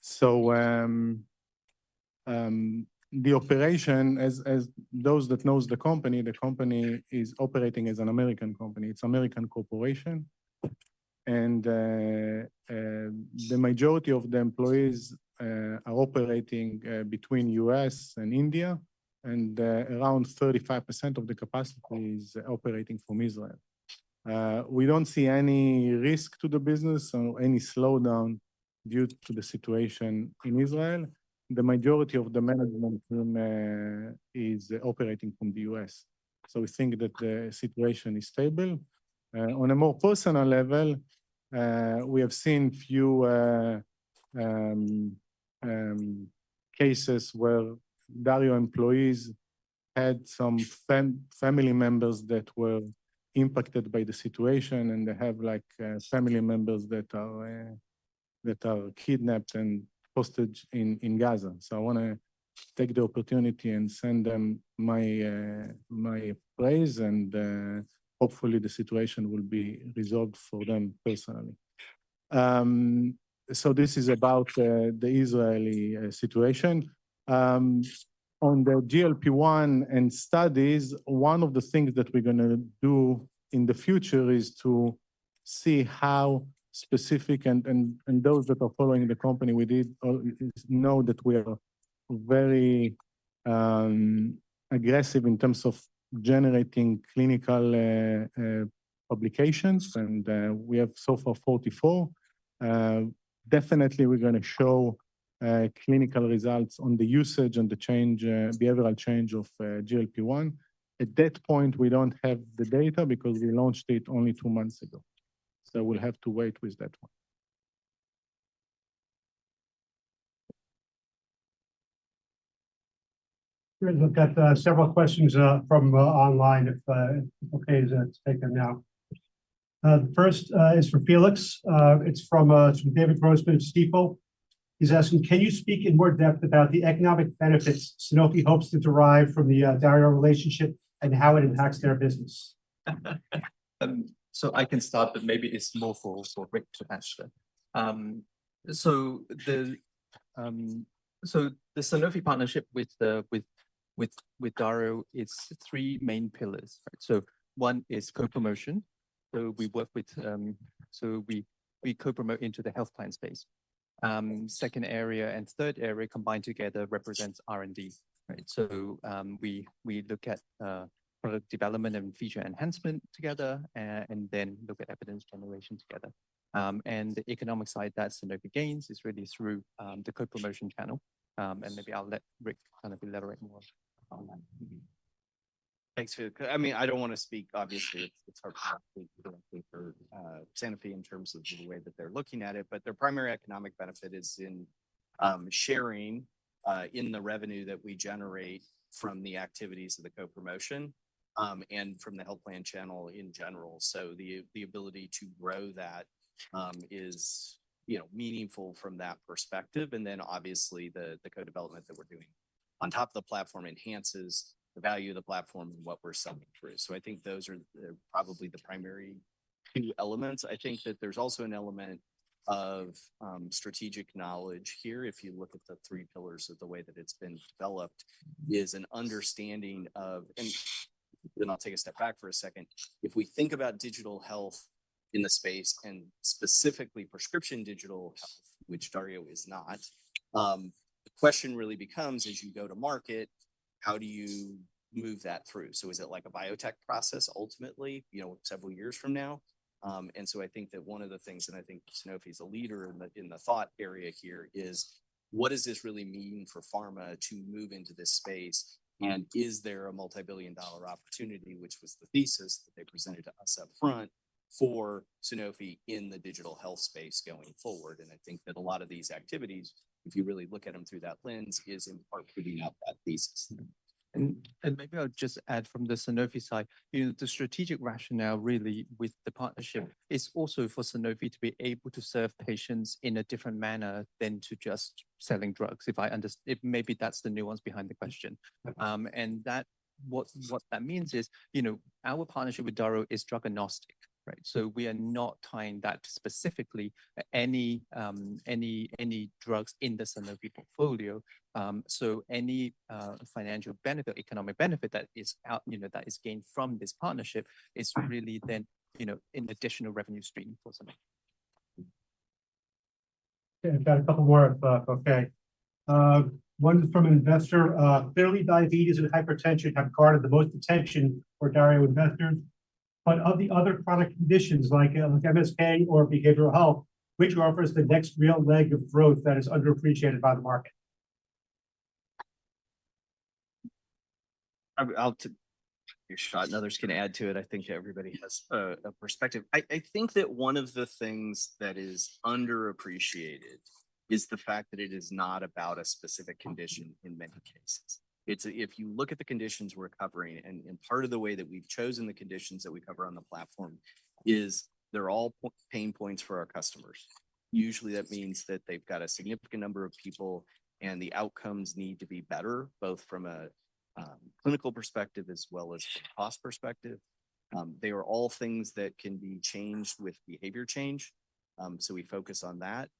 So, the operation, as those that knows the company, the company is operating as an American company. It's American corporation, and the majority of the employees are operating between U.S. and India, and around 35% of the capacity is operating from Israel. We don't see any risk to the business or any slowdown due to the situation in Israel. The majority of the management team is operating from the U.S., so we think that the situation is stable. On a more personal level, we have seen few cases where Dario employees had some family members that were impacted by the situation, and they have, like, family members that are kidnapped and hostage in Gaza. So I want to take the opportunity and send them my praise, and hopefully, the situation will be resolved for them personally. So this is about the Israeli situation. On the GLP-1 and studies, one of the things that we're going to do in the future is to see how specific, and those that are following the company with it know that we are very aggressive in terms of generating clinical publications, and we have so far 44. Definitely, we're going to show clinical results on the usage and the change, behavioral change of GLP-1. At that point, we don't have the data because we launched it only two months ago, so we'll have to wait with that one. We've got several questions from online, if okay to take them now. The first is for Felix. It's from David Grossman at Stifel. He's asking, "Can you speak in more depth about the economic benefits Sanofi hopes to derive from the Dario relationship and how it impacts their business? So I can start, but maybe it's more for Rick to answer. So the Sanofi partnership with Dario, it's three main pillars, right? So one is co-promotion. So we work with. So we co-promote into the health plan space. Second area and third area combined together represents R&D, right? So we look at product development and feature enhancement together, and then look at evidence generation together. And the economic side that Sanofi gains is really through the co-promotion channel. And maybe I'll let Rick kind of elaborate more on that. Thanks, Felix. I mean, I don't want to speak, obviously, it's hard to speak directly for Sanofi in terms of the way that they're looking at it, but their primary economic benefit is in sharing in the revenue that we generate from the activities of the co-promotion and from the health plan channel in general. So the ability to grow that is, you know, meaningful from that perspective, and then obviously, the co-development that we're doing on top of the platform enhances the value of the platform and what we're solving for. So I think those are probably the primary two elements. I think that there's also an element of strategic knowledge here. If you look at the three pillars of the way that it's been developed, is an understanding of— and then I'll take a step back for a second. If we think about digital health in the space, and specifically prescription digital health, which Dario is not, the question really becomes, as you go to market, how do you move that through? So is it like a biotech process ultimately, you know, several years from now? And so I think that one of the things, and I think Sanofi is a leader in the, in the thought area here, is what does this really mean for pharma to move into this space? And is there a multi-billion-dollar opportunity, which was the thesis that they presented to us up front for Sanofi in the digital health space going forward? And I think that a lot of these activities, if you really look at them through that lens, is in part proving out that thesis. And maybe I'll just add from the Sanofi side, you know, the strategic rationale really with the partnership is also for Sanofi to be able to serve patients in a different manner than to just selling drugs. If I under-- if maybe that's the nuance behind the question. Mm-hmm. And that, what that means is, you know, our partnership with Dario is drug agnostic, right? So we are not tying that specifically to any drugs in the Sanofi portfolio. So any financial benefit, economic benefit that is out, you know, that is gained from this partnership is really then, you know, an additional revenue stream for Sanofi. Okay, I've got a couple more, okay. One is from an investor. Clearly, diabetes and hypertension have garnered the most attention for Dario investors, but of the other chronic conditions like, like MSK or behavioral health, which offers the next real leg of growth that is underappreciated by the market? I'll take a shot, and others can add to it. I think everybody has a perspective. I think that one of the things that is underappreciated is the fact that it is not about a specific condition in many cases. It's if you look at the conditions we're covering, and part of the way that we've chosen the conditions that we cover on the platform is they're all pain points for our customers. Usually, that means that they've got a significant number of people, and the outcomes need to be better, both from a clinical perspective as well as cost perspective. They are all things that can be changed with behavior change, so we focus on that.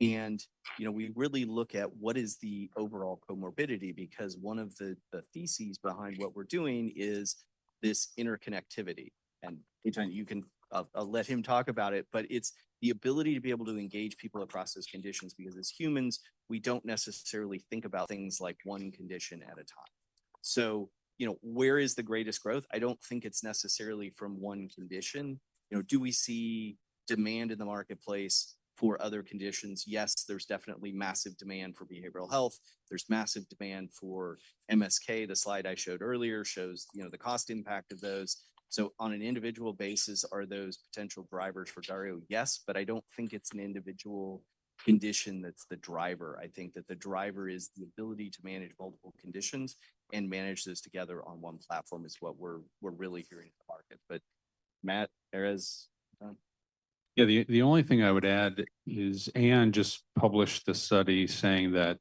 You know, we really look at what is the overall comorbidity, because one of the theses behind what we're doing is this interconnectivity. [Yadin], you can, I'll let him talk about it, but it's the ability to be able to engage people across those conditions. Because as humans, we don't necessarily think about things like one condition at a time. So, you know, where is the greatest growth? I don't think it's necessarily from one condition. You know, do we see demand in the marketplace for other conditions? Yes, there's definitely massive demand for behavioral health. There's massive demand for MSK. The slide I showed earlier shows, you know, the cost impact of those. So on an individual basis, are those potential drivers for Dario? Yes, but I don't think it's an individual condition that's the driver. I think that the driver is the ability to manage multiple conditions and manage those together on one platform is what we're really hearing in the market. But Matt, Erez? Yeah, the only thing I would add is Aon just published a study saying that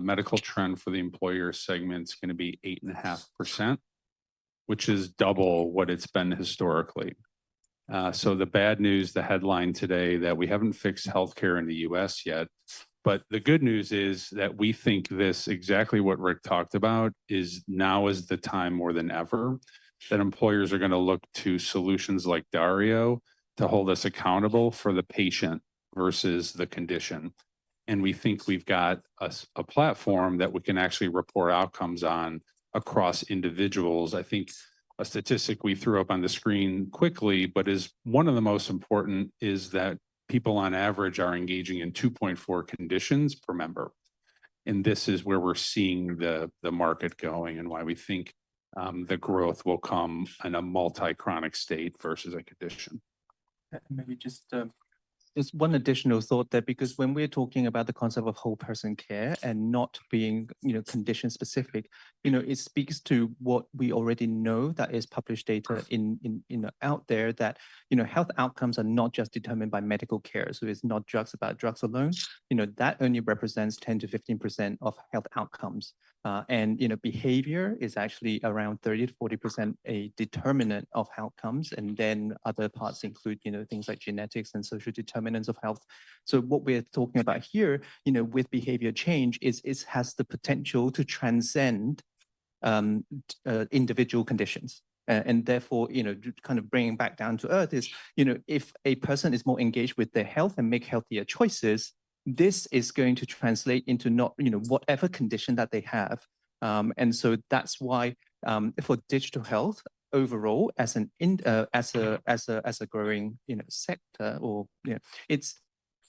medical trend for the employer segment is gonna be 8.5%, which is double what it's been historically. So, the bad news, the headline today, that we haven't fixed healthcare in the U.S. yet, but the good news is that we think this, exactly what Rick talked about, is now is the time more than ever that employers are gonna look to solutions like Dario to hold us accountable for the patient versus the condition. And we think we've got a platform that we can actually report outcomes on across individuals. I think a statistic we threw up on the screen quickly, but is one of the most important, is that people on average are engaging in 2.4 conditions per member. This is where we're seeing the market going and why we think the growth will come in a multi-chronic state versus a condition. Maybe just one additional thought there, because when we're talking about the concept of whole person care and not being, you know, condition specific, you know, it speaks to what we already know that is published data- Correct... you know, out there, that, you know, health outcomes are not just determined by medical care. So it's not about drugs alone. You know, that only represents 10%-15% of health outcomes. And, you know, behavior is actually around 30%-40% a determinant of outcomes, and then other parts include, you know, things like genetics and social determinants of health. So what we're talking about here, you know, with behavior change, has the potential to transcend individual conditions. And therefore, you know, kind of bringing back down to earth is, you know, if a person is more engaged with their health and make healthier choices, this is going to translate into not, you know, whatever condition that they have. And so that's why, for digital health, overall, as a growing, you know, sector, you know,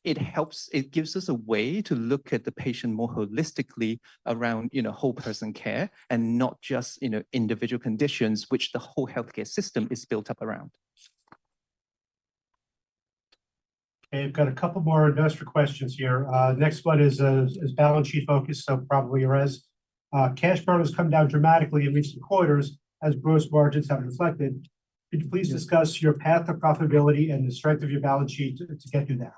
it gives us a way to look at the patient more holistically around, you know, whole person care, and not just, you know, individual conditions, which the whole healthcare system is built up around. Okay, I've got a couple more investor questions here. Next one is balance sheet focused, so probably Erez. Cash burn has come down dramatically in recent quarters, as gross margins have reflected. Could you please discuss your path to profitability and the strength of your balance sheet to get you there?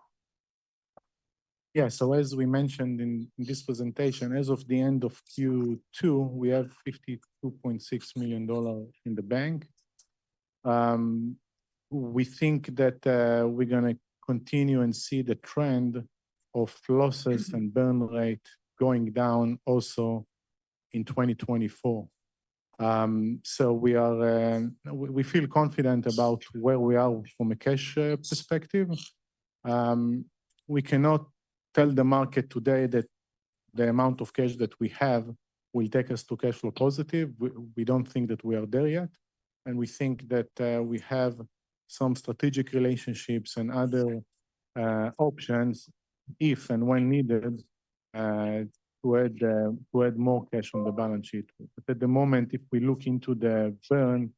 Yeah, so as we mentioned in this presentation, as of the end of Q2, we have $52.6 million in the bank. We think that, we're gonna continue and see the trend of losses and burn rate going down also in 2024. So we are, we, we feel confident about where we are from a cash perspective. We cannot tell the market today that the amount of cash that we have will take us to cash flow positive. We, we don't think that we are there yet, and we think that, we have some strategic relationships and other options if and when needed, to add, to add more cash on the balance sheet. But at the moment, if we look into the burn,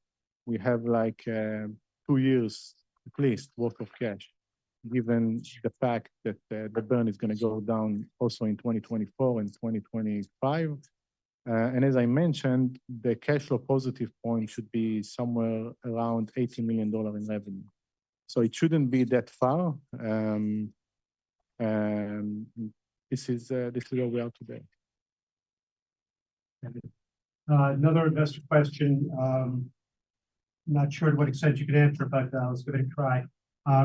we have like, two years at least worth of cash, given the fact that the, the burn is going to go down also in 2024 and 2025. And as I mentioned, the cash flow positive point should be somewhere around $80 million in revenue. So it shouldn't be that far. And this is, this is where we are today. Another investor question, not sure to what extent you could answer, but I was going to try.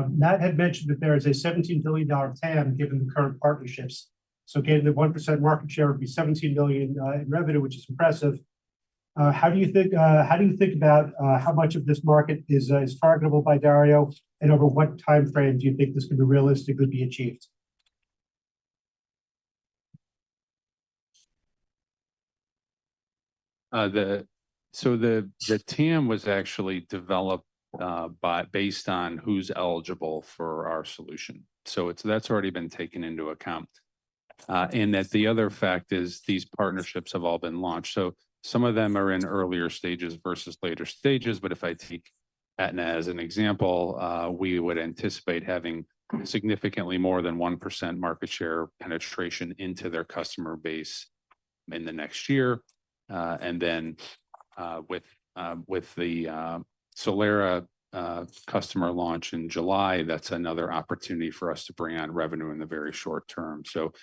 Matt had mentioned that there is a $17 billion TAM, given the current partnerships. So again, the 1% market share would be $17 billion in revenue, which is impressive. How do you think, how do you think about, how much of this market is, is targetable by Dario? And over what time frame do you think this could be realistically be achieved? So the TAM was actually developed based on who's eligible for our solution. So that's already been taken into account. And the other fact is these partnerships have all been launched. So some of them are in earlier stages versus later stages, but if I take Aetna as an example, we would anticipate having significantly more than 1% market share penetration into their customer base in the next year. And then, with the Solera customer launch in July, that's another opportunity for us to bring on revenue in the very short term. So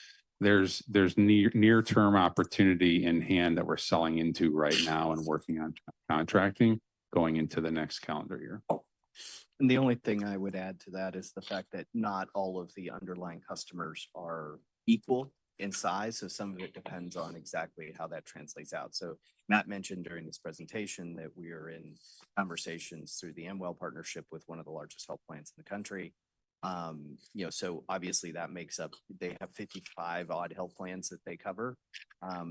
there's near-term opportunity in hand that we're selling into right now and working on contracting going into the next calendar year. The only thing I would add to that is the fact that not all of the underlying customers are equal in size, so some of it depends on exactly how that translates out. So Matt mentioned during his presentation that we are in conversations through the Amwell partnership with one of the largest health plans in the country. You know, so obviously, that makes up, they have 55-odd health plans that they cover.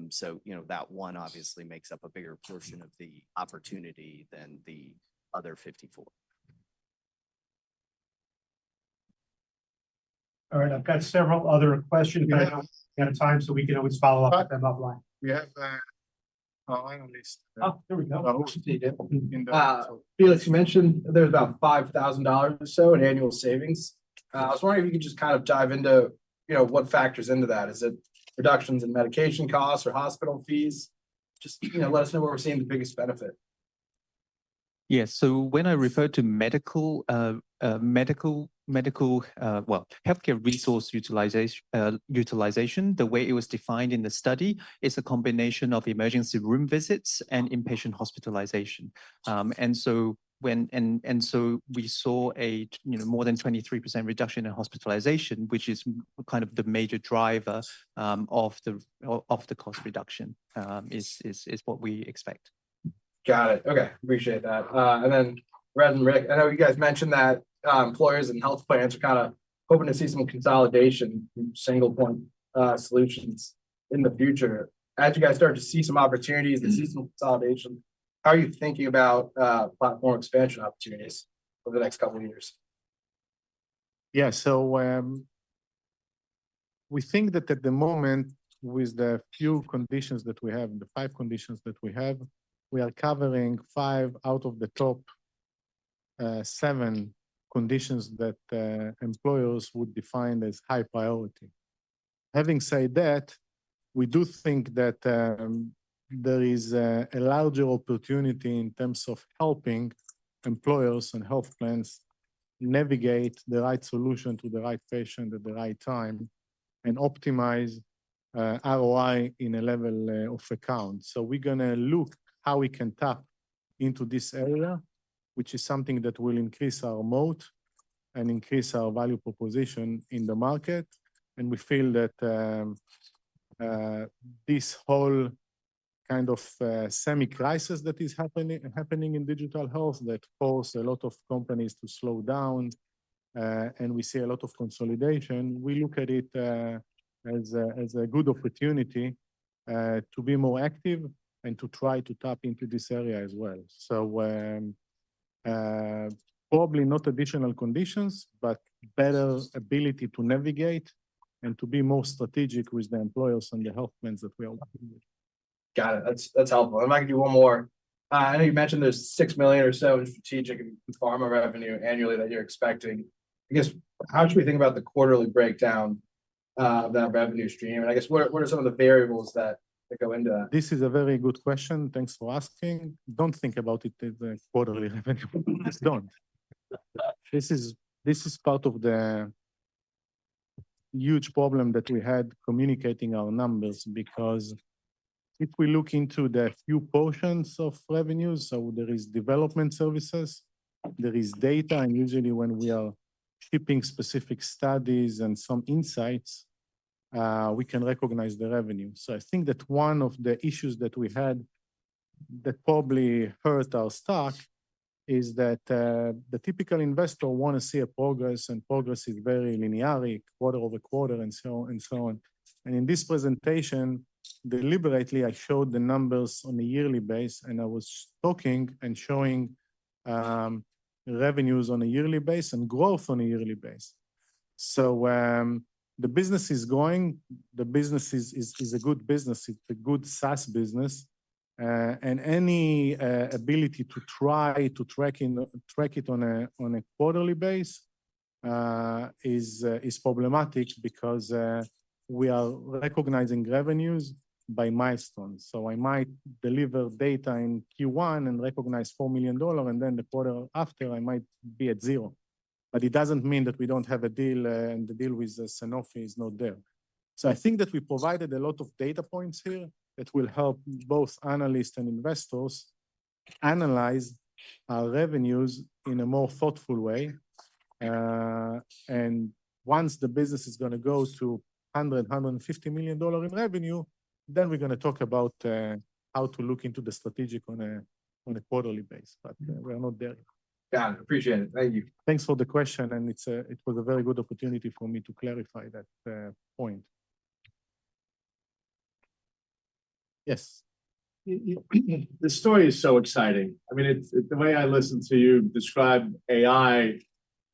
So, you know, that one obviously makes up a bigger portion of the opportunity than the other 54. All right, I've got several other questions, but I don't have time, so we can always follow up with them offline. We have a online list. Oh, there we go. I hope you see it. Felix, you mentioned there's about $5,000 or so in annual savings. I was wondering if you could just dive into, you know, what factors into that. Is it reductions in medication costs or hospital fees? Just let us know where we're seeing the biggest benefit. Yes. So when I refer to medical, well, healthcare resource utilization, the way it was defined in the study is a combination of emergency room visits and inpatient hospitalization. And so we saw a, you know, more than 23% reduction in hospitalization, which is kind of the major driver of the cost reduction, is what we expect. Got it. Okay. Appreciate that. And then Erez and Rick, I know you guys mentioned that, employers and health plans are kinda hoping to see some consolidation in single point solutions in the future. As you guys start to see some opportunities and see some consolidation, how are you thinking about platform expansion opportunities over the next couple of years? Yeah. So, we think that at the moment, with the few conditions that we have, the five conditions that we have, we are covering five out of the top seven conditions that employers would define as high priority. Having said that, we do think that there is a larger opportunity in terms of helping employers and health plans navigate the right solution to the right patient at the right time and optimize ROI in a level of account. So we're going to look how we can tap into this area, which is something that will increase our moat and increase our value proposition in the market. And we feel that this whole kind of semi-crisis that is happening in digital health, that force a lot of companies to slow down, and we see a lot of consolidation. We look at it as a good opportunity to be more active and to try to tap into this area as well. So, probably not additional conditions, but better ability to navigate and to be more strategic with the employers and the health plans that we are working with. Got it. That's helpful. I might give you one more. I know you mentioned there's $6 million or so in strategic and pharma revenue annually that you're expecting. I guess, how should we think about the quarterly breakdown of that revenue stream? And I guess, what are some of the variables that go into that? This is a very good question. Thanks for asking. Don't think about it as a quarterly revenue. Just don't. This is, this is part of the huge problem that we had communicating our numbers, because if we look into the few portions of revenues, so there is development services, there is data, and usually when we are shipping specific studies and some insights, we can recognize the revenue. So I think that one of the issues that we had that probably hurt our stock is that, the typical investor want to see a progress, and progress is very linearly, quarter-over-quarter, and so on and so on. And in this presentation, deliberately, I showed the numbers on a yearly base, and I was talking and showing, revenues on a yearly base and growth on a yearly base. The business is going, the business is a good business. It's a good SaaS business. Any ability to try to track it on a quarterly basis is problematic because we are recognizing revenues by milestones. So I might deliver data in Q1 and recognize $4 million, and then the quarter after I might be at zero. But it doesn't mean that we don't have a deal, and the deal with Sanofi is not there. So I think that we provided a lot of data points here that will help both analysts and investors analyze our revenues in a more thoughtful way. Once the business is gonna go to $100 million-$150 million in revenue, then we're gonna talk about how to look into the strategic on a quarterly basis, but we are not there. Yeah, appreciate it. Thank you. Thanks for the question, and it was a very good opportunity for me to clarify that point. Yes? The story is so exciting. I mean, it's the way I listen to you describe AI,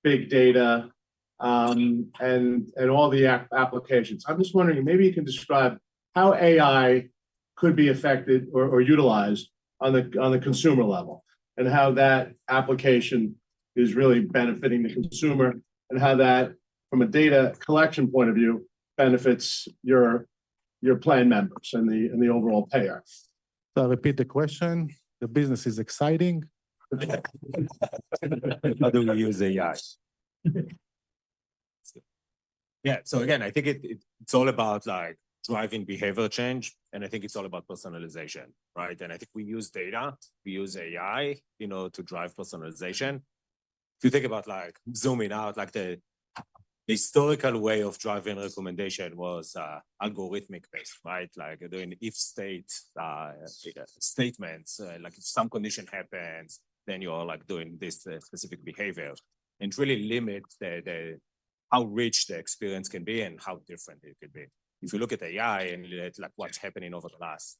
big data, and all the applications. I'm just wondering, maybe you can describe how AI could be affected or utilized on the consumer level, and how that application is really benefiting the consumer, and how that, from a data collection point of view, benefits your plan members and the overall payer? I repeat the question, the business is exciting? How do we use AI? Yeah, so again, I think it, it's all about, like, driving behavior change, and I think it's all about personalization, right? And I think we use data, we use AI, you know, to drive personalization. If you think about, like, zooming out, like the historical way of driving recommendation was algorithmic based, right? Like doing if-then statements, like if some condition happens, then you are, like, doing this specific behavior. And it really limits the how rich the experience can be and how different it could be. If you look at AI and, like, what's happening over the last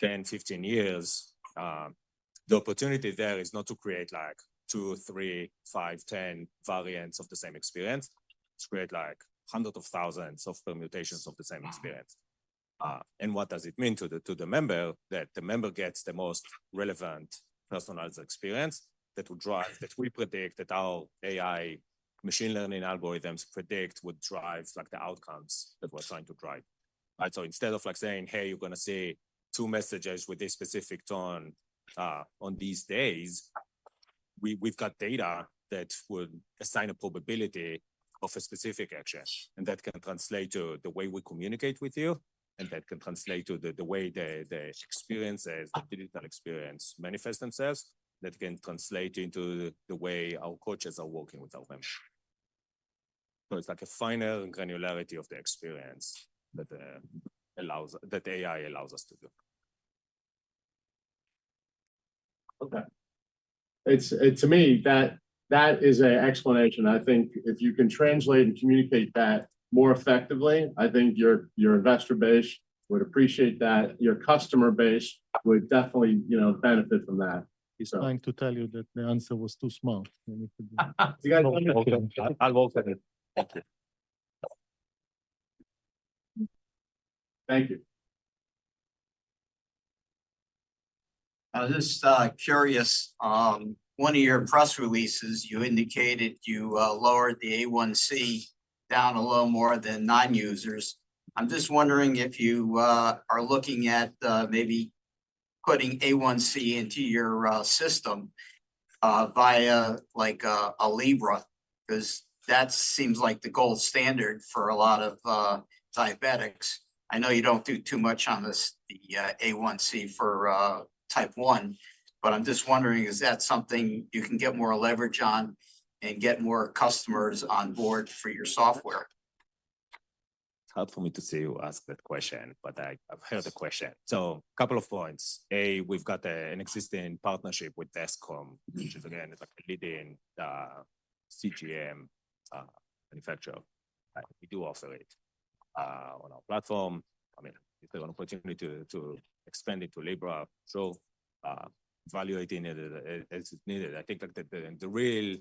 10, 15 years, the opportunity there is not to create, like, two, three, five, 10 variants of the same experience. It's create, like, hundreds of thousands of permutations of the same experience. And what does it mean to the member? That the member gets the most relevant, personalized experience that will drive... That we predict, that our AI machine learning algorithms predict would drive, like, the outcomes that we're trying to drive, right? So instead of, like, saying, "Hey, you're gonna see two messages with this specific tone on these days," we've got data that would assign a probability of a specific action, and that can translate to the way we communicate with you, and that can translate to the way the experiences, the digital experience manifest themselves, that can translate into the way our coaches are working with our members. So it's like a finer granularity of the experience that AI allows us to do. Okay. It's to me, that is an explanation. I think if you can translate and communicate that more effectively, I think your investor base would appreciate that. Your customer base would definitely, you know, benefit from that. He's trying to tell you that the answer was too smart. You got it. I'll work on it. Okay. Thank you. I was just curious. One of your press releases, you indicated you lowered the A1c down a little more than non-users. I'm just wondering if you are looking at maybe putting A1c into your system via like a Libre, 'cause that seems like the gold standard for a lot of diabetics. I know you don't do too much on this, the A1c for type I, but I'm just wondering, is that something you can get more leverage on and get more customers on board for your software? It's hard for me to see you ask that question, but I've heard the question. So couple of points: A, we've got an existing partnership with Dexcom, which is again a leading CGM manufacturer. We do offer it on our platform. I mean, it's an opportunity to expand it to Libre. So, evaluating it as needed. I think, like, the real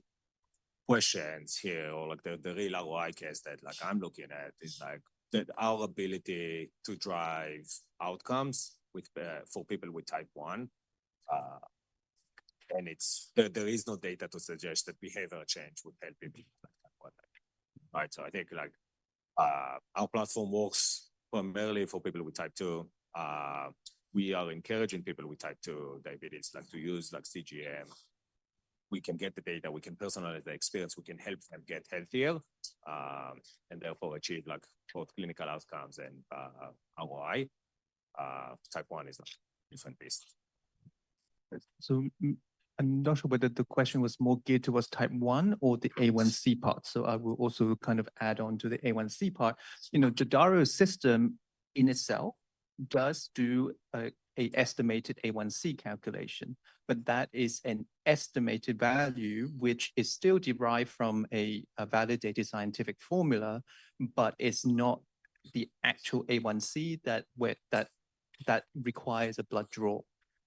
questions here, or, like, the real ROI case that, like, I'm looking at is, like, that our ability to drive outcomes with for people with type 1, and it's—there is no data to suggest that behavioral change would help people with type 1. Right, so I think, like, our platform works primarily for people with type 2. We are encouraging people with type 2 diabetes, like, to use, like, CGM. We can get the data, we can personalize the experience, we can help them get healthier, and therefore achieve, like, both clinical outcomes and ROI. Type 1 is a different beast. I'm not sure whether the question was more geared towards type 1 or the A1c part. I will also kind of add on to the A1c part. You know, Dario's system in itself does do an estimated A1c calculation, but that is an estimated value, which is still derived from a validated scientific formula, but it's not the actual A1c that requires a blood draw.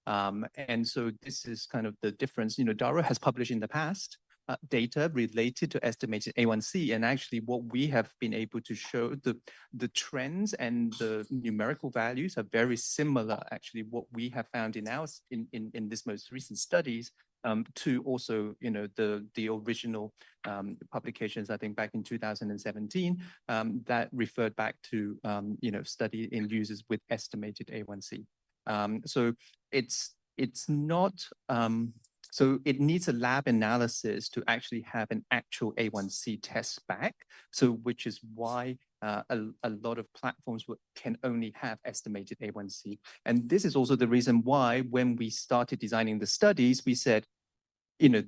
And so this is kind of the difference. You know, Dario has published in the past, data related to estimated A1c, and actually what we have been able to show, the trends and the numerical values are very similar, actually, what we have found in our, in this most recent studies, to also, you know, the original publications, I think back in 2017, that referred back to, you know, study in users with estimated A1c. So it's not. So it needs a lab analysis to actually have an actual A1c test back, so which is why, a lot of platforms can only have estimated A1c. This is also the reason why when we started designing the studies, we said, you know,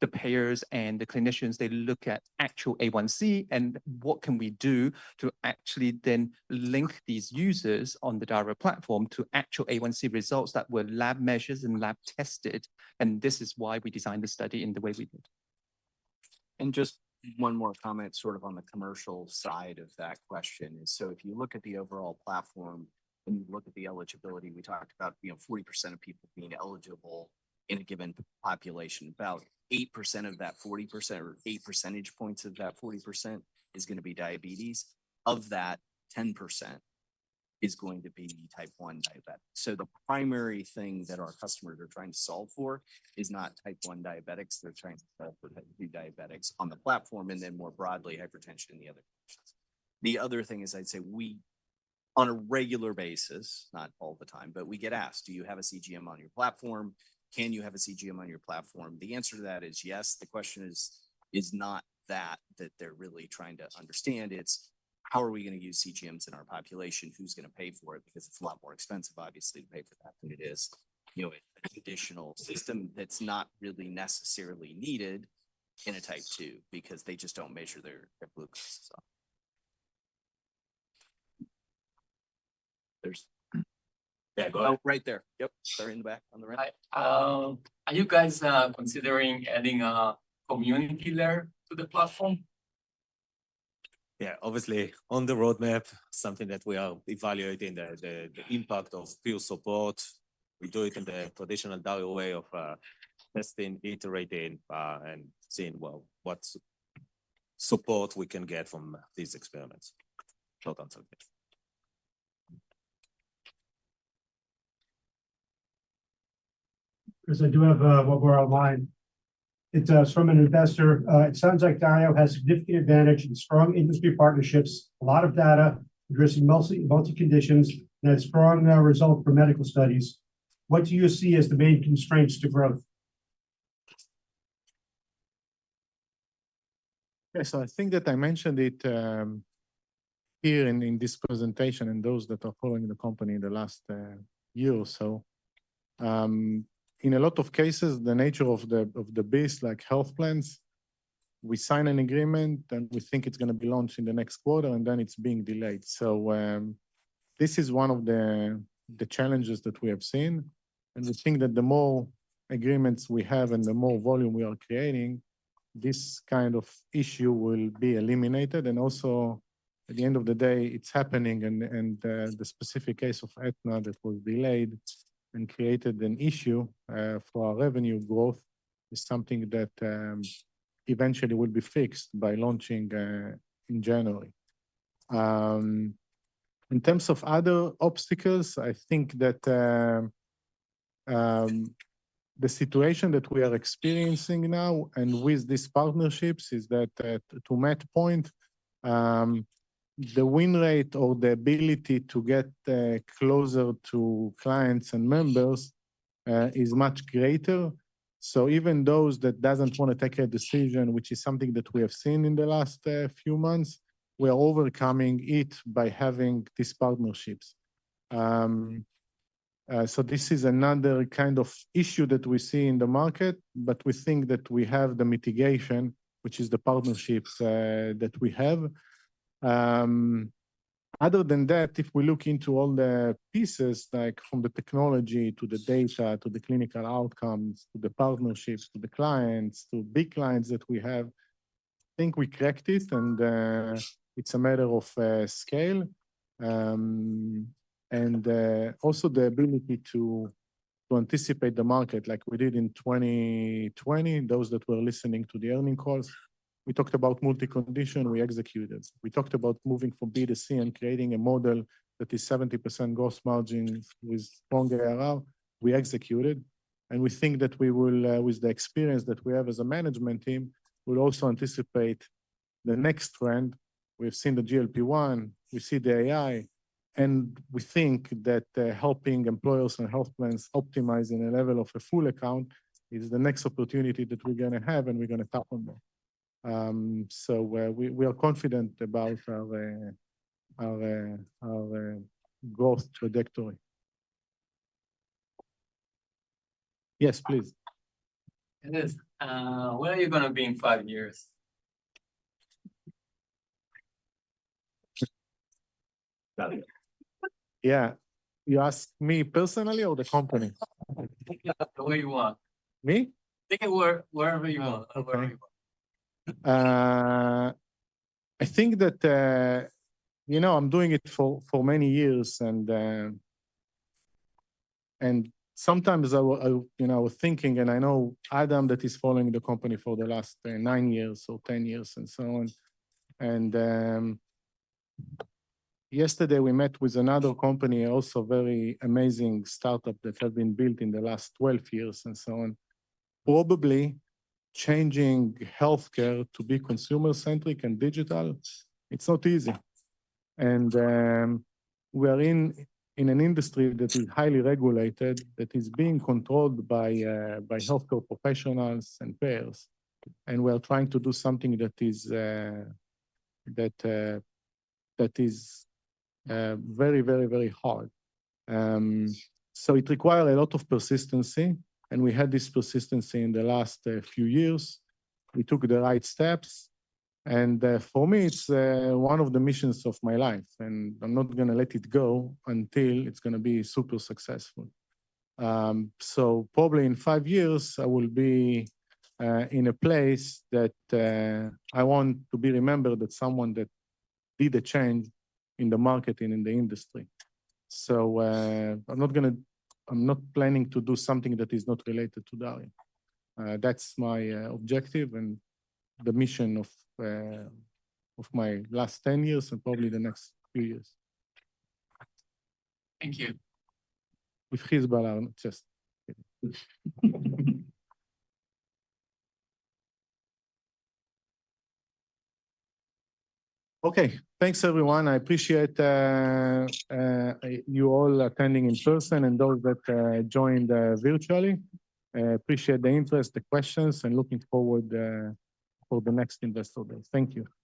the payers and the clinicians, they look at actual A1c, and what can we do to actually then link these users on the Dario platform to actual A1c results that were lab measures and lab tested, and this is why we designed the study in the way we did. Just one more comment, sort of on the commercial side of that question. So if you look at the overall platform, and you look at the eligibility, we talked about, you know, 40% of people being eligible in a given population. About 8% of that 40%, or eight percentage points of that 40% is going to be diabetes. Of that, 10% is going to be type 1 diabetic. So the primary thing that our customers are trying to solve for is not type 1 diabetics, they're trying to solve for type 2 diabetics on the platform, and then more broadly, hypertension and the other conditions. The other thing is, I'd say we, on a regular basis, not all the time, but we get asked, "Do you have a CGM on your platform? Can you have a CGM on your platform?" The answer to that is yes. The question is, it's not that, that they're really trying to understand, it's how are we going to use CGMs in our population? Who's going to pay for it? Because it's a lot more expensive, obviously, to pay for that than it is, you know, a traditional system that's not really necessarily needed in a type 2, because they just don't measure their glucose. So... There's- Yeah, go ahead. Oh, right there. Yep, they're in the back on the right. Hi. Are you guys considering adding a community layer to the platform? Yeah, obviously, on the roadmap, something that we are evaluating the impact of field support. We do it in the traditional Dario way of testing, iterating, and seeing, well, what support we can get from these experiments. Short answer. Chris, I do have one more online. It's from an investor. "It sounds like Dario has significant advantage and strong industry partnerships, a lot of data, addressing multi conditions, and a strong result for medical studies. What do you see as the main constraints to growth? Yeah, so I think that I mentioned it here in this presentation and those that are following the company in the last year or so. In a lot of cases, the nature of the base, like health plans, we sign an agreement, and we think it's going to be launched in the next quarter, and then it's being delayed. So, this is one of the challenges that we have seen, and we think that the more agreements we have and the more volume we are creating, this kind of issue will be eliminated. And also, at the end of the day, it's happening, and the specific case of Aetna that was delayed and created an issue for our revenue growth is something that eventually will be fixed by launching in January. In terms of other obstacles, I think that the situation that we are experiencing now and with these partnerships is that, to Matt's point, the win rate or the ability to get closer to clients and members is much greater. So even those that doesn't want to take a decision, which is something that we have seen in the last few months, we are overcoming it by having these partnerships. So this is another kind of issue that we see in the market, but we think that we have the mitigation, which is the partnerships that we have. Other than that, if we look into all the pieces, like from the technology, to the data, to the clinical outcomes, to the partnerships, to the clients, to big clients that we have, I think we cracked it, and it's a matter of scale. And also the ability to anticipate the market like we did in 2020. Those that were listening to the earnings calls, we talked about multi-condition, we executed. We talked about moving from B2C and creating a model that is 70% gross margin with strong ARR, we executed. And we think that we will, with the experience that we have as a management team, we'll also anticipate the next trend. We've seen the GLP-1, we see the AI, and we think that helping employers and health plans optimize in a level of a full account is the next opportunity that we're going to have, and we're going to tap on that. So, we are confident about our growth trajectory. Yes, please. Erez, where are you going to be in five years? Yeah. You ask me personally or the company? The way you want. Me? Take it where, wherever you want or wherever you want. I think that, you know, I'm doing it for many years, and sometimes I will, you know, thinking, and I know Adam, that he's following the company for the last nine years or 10 years and so on. And, yesterday we met with another company, also very amazing startup that has been built in the last 12 years and so on. Probably changing healthcare to be consumer-centric and digital, it's not easy. And, we are in an industry that is highly regulated, that is being controlled by healthcare professionals and payers, and we are trying to do something that is very, very, very hard. So it require a lot of persistence, and we had this persistence in the last few years. We took the right steps, and, for me, it's, one of the missions of my life, and I'm not going to let it go until it's going to be super successful. So probably in five years, I will be, in a place that, I want to be remembered that someone that did a change in the market and in the industry. So, I'm not planning to do something that is not related to Dario. That's my, objective and the mission of, of my last 10 years and probably the next few years. Thank you. Okay. Thanks, everyone. I appreciate you all attending in person and those that joined virtually. Appreciate the interest, the questions, and looking forward for the next Investor Day. Thank you.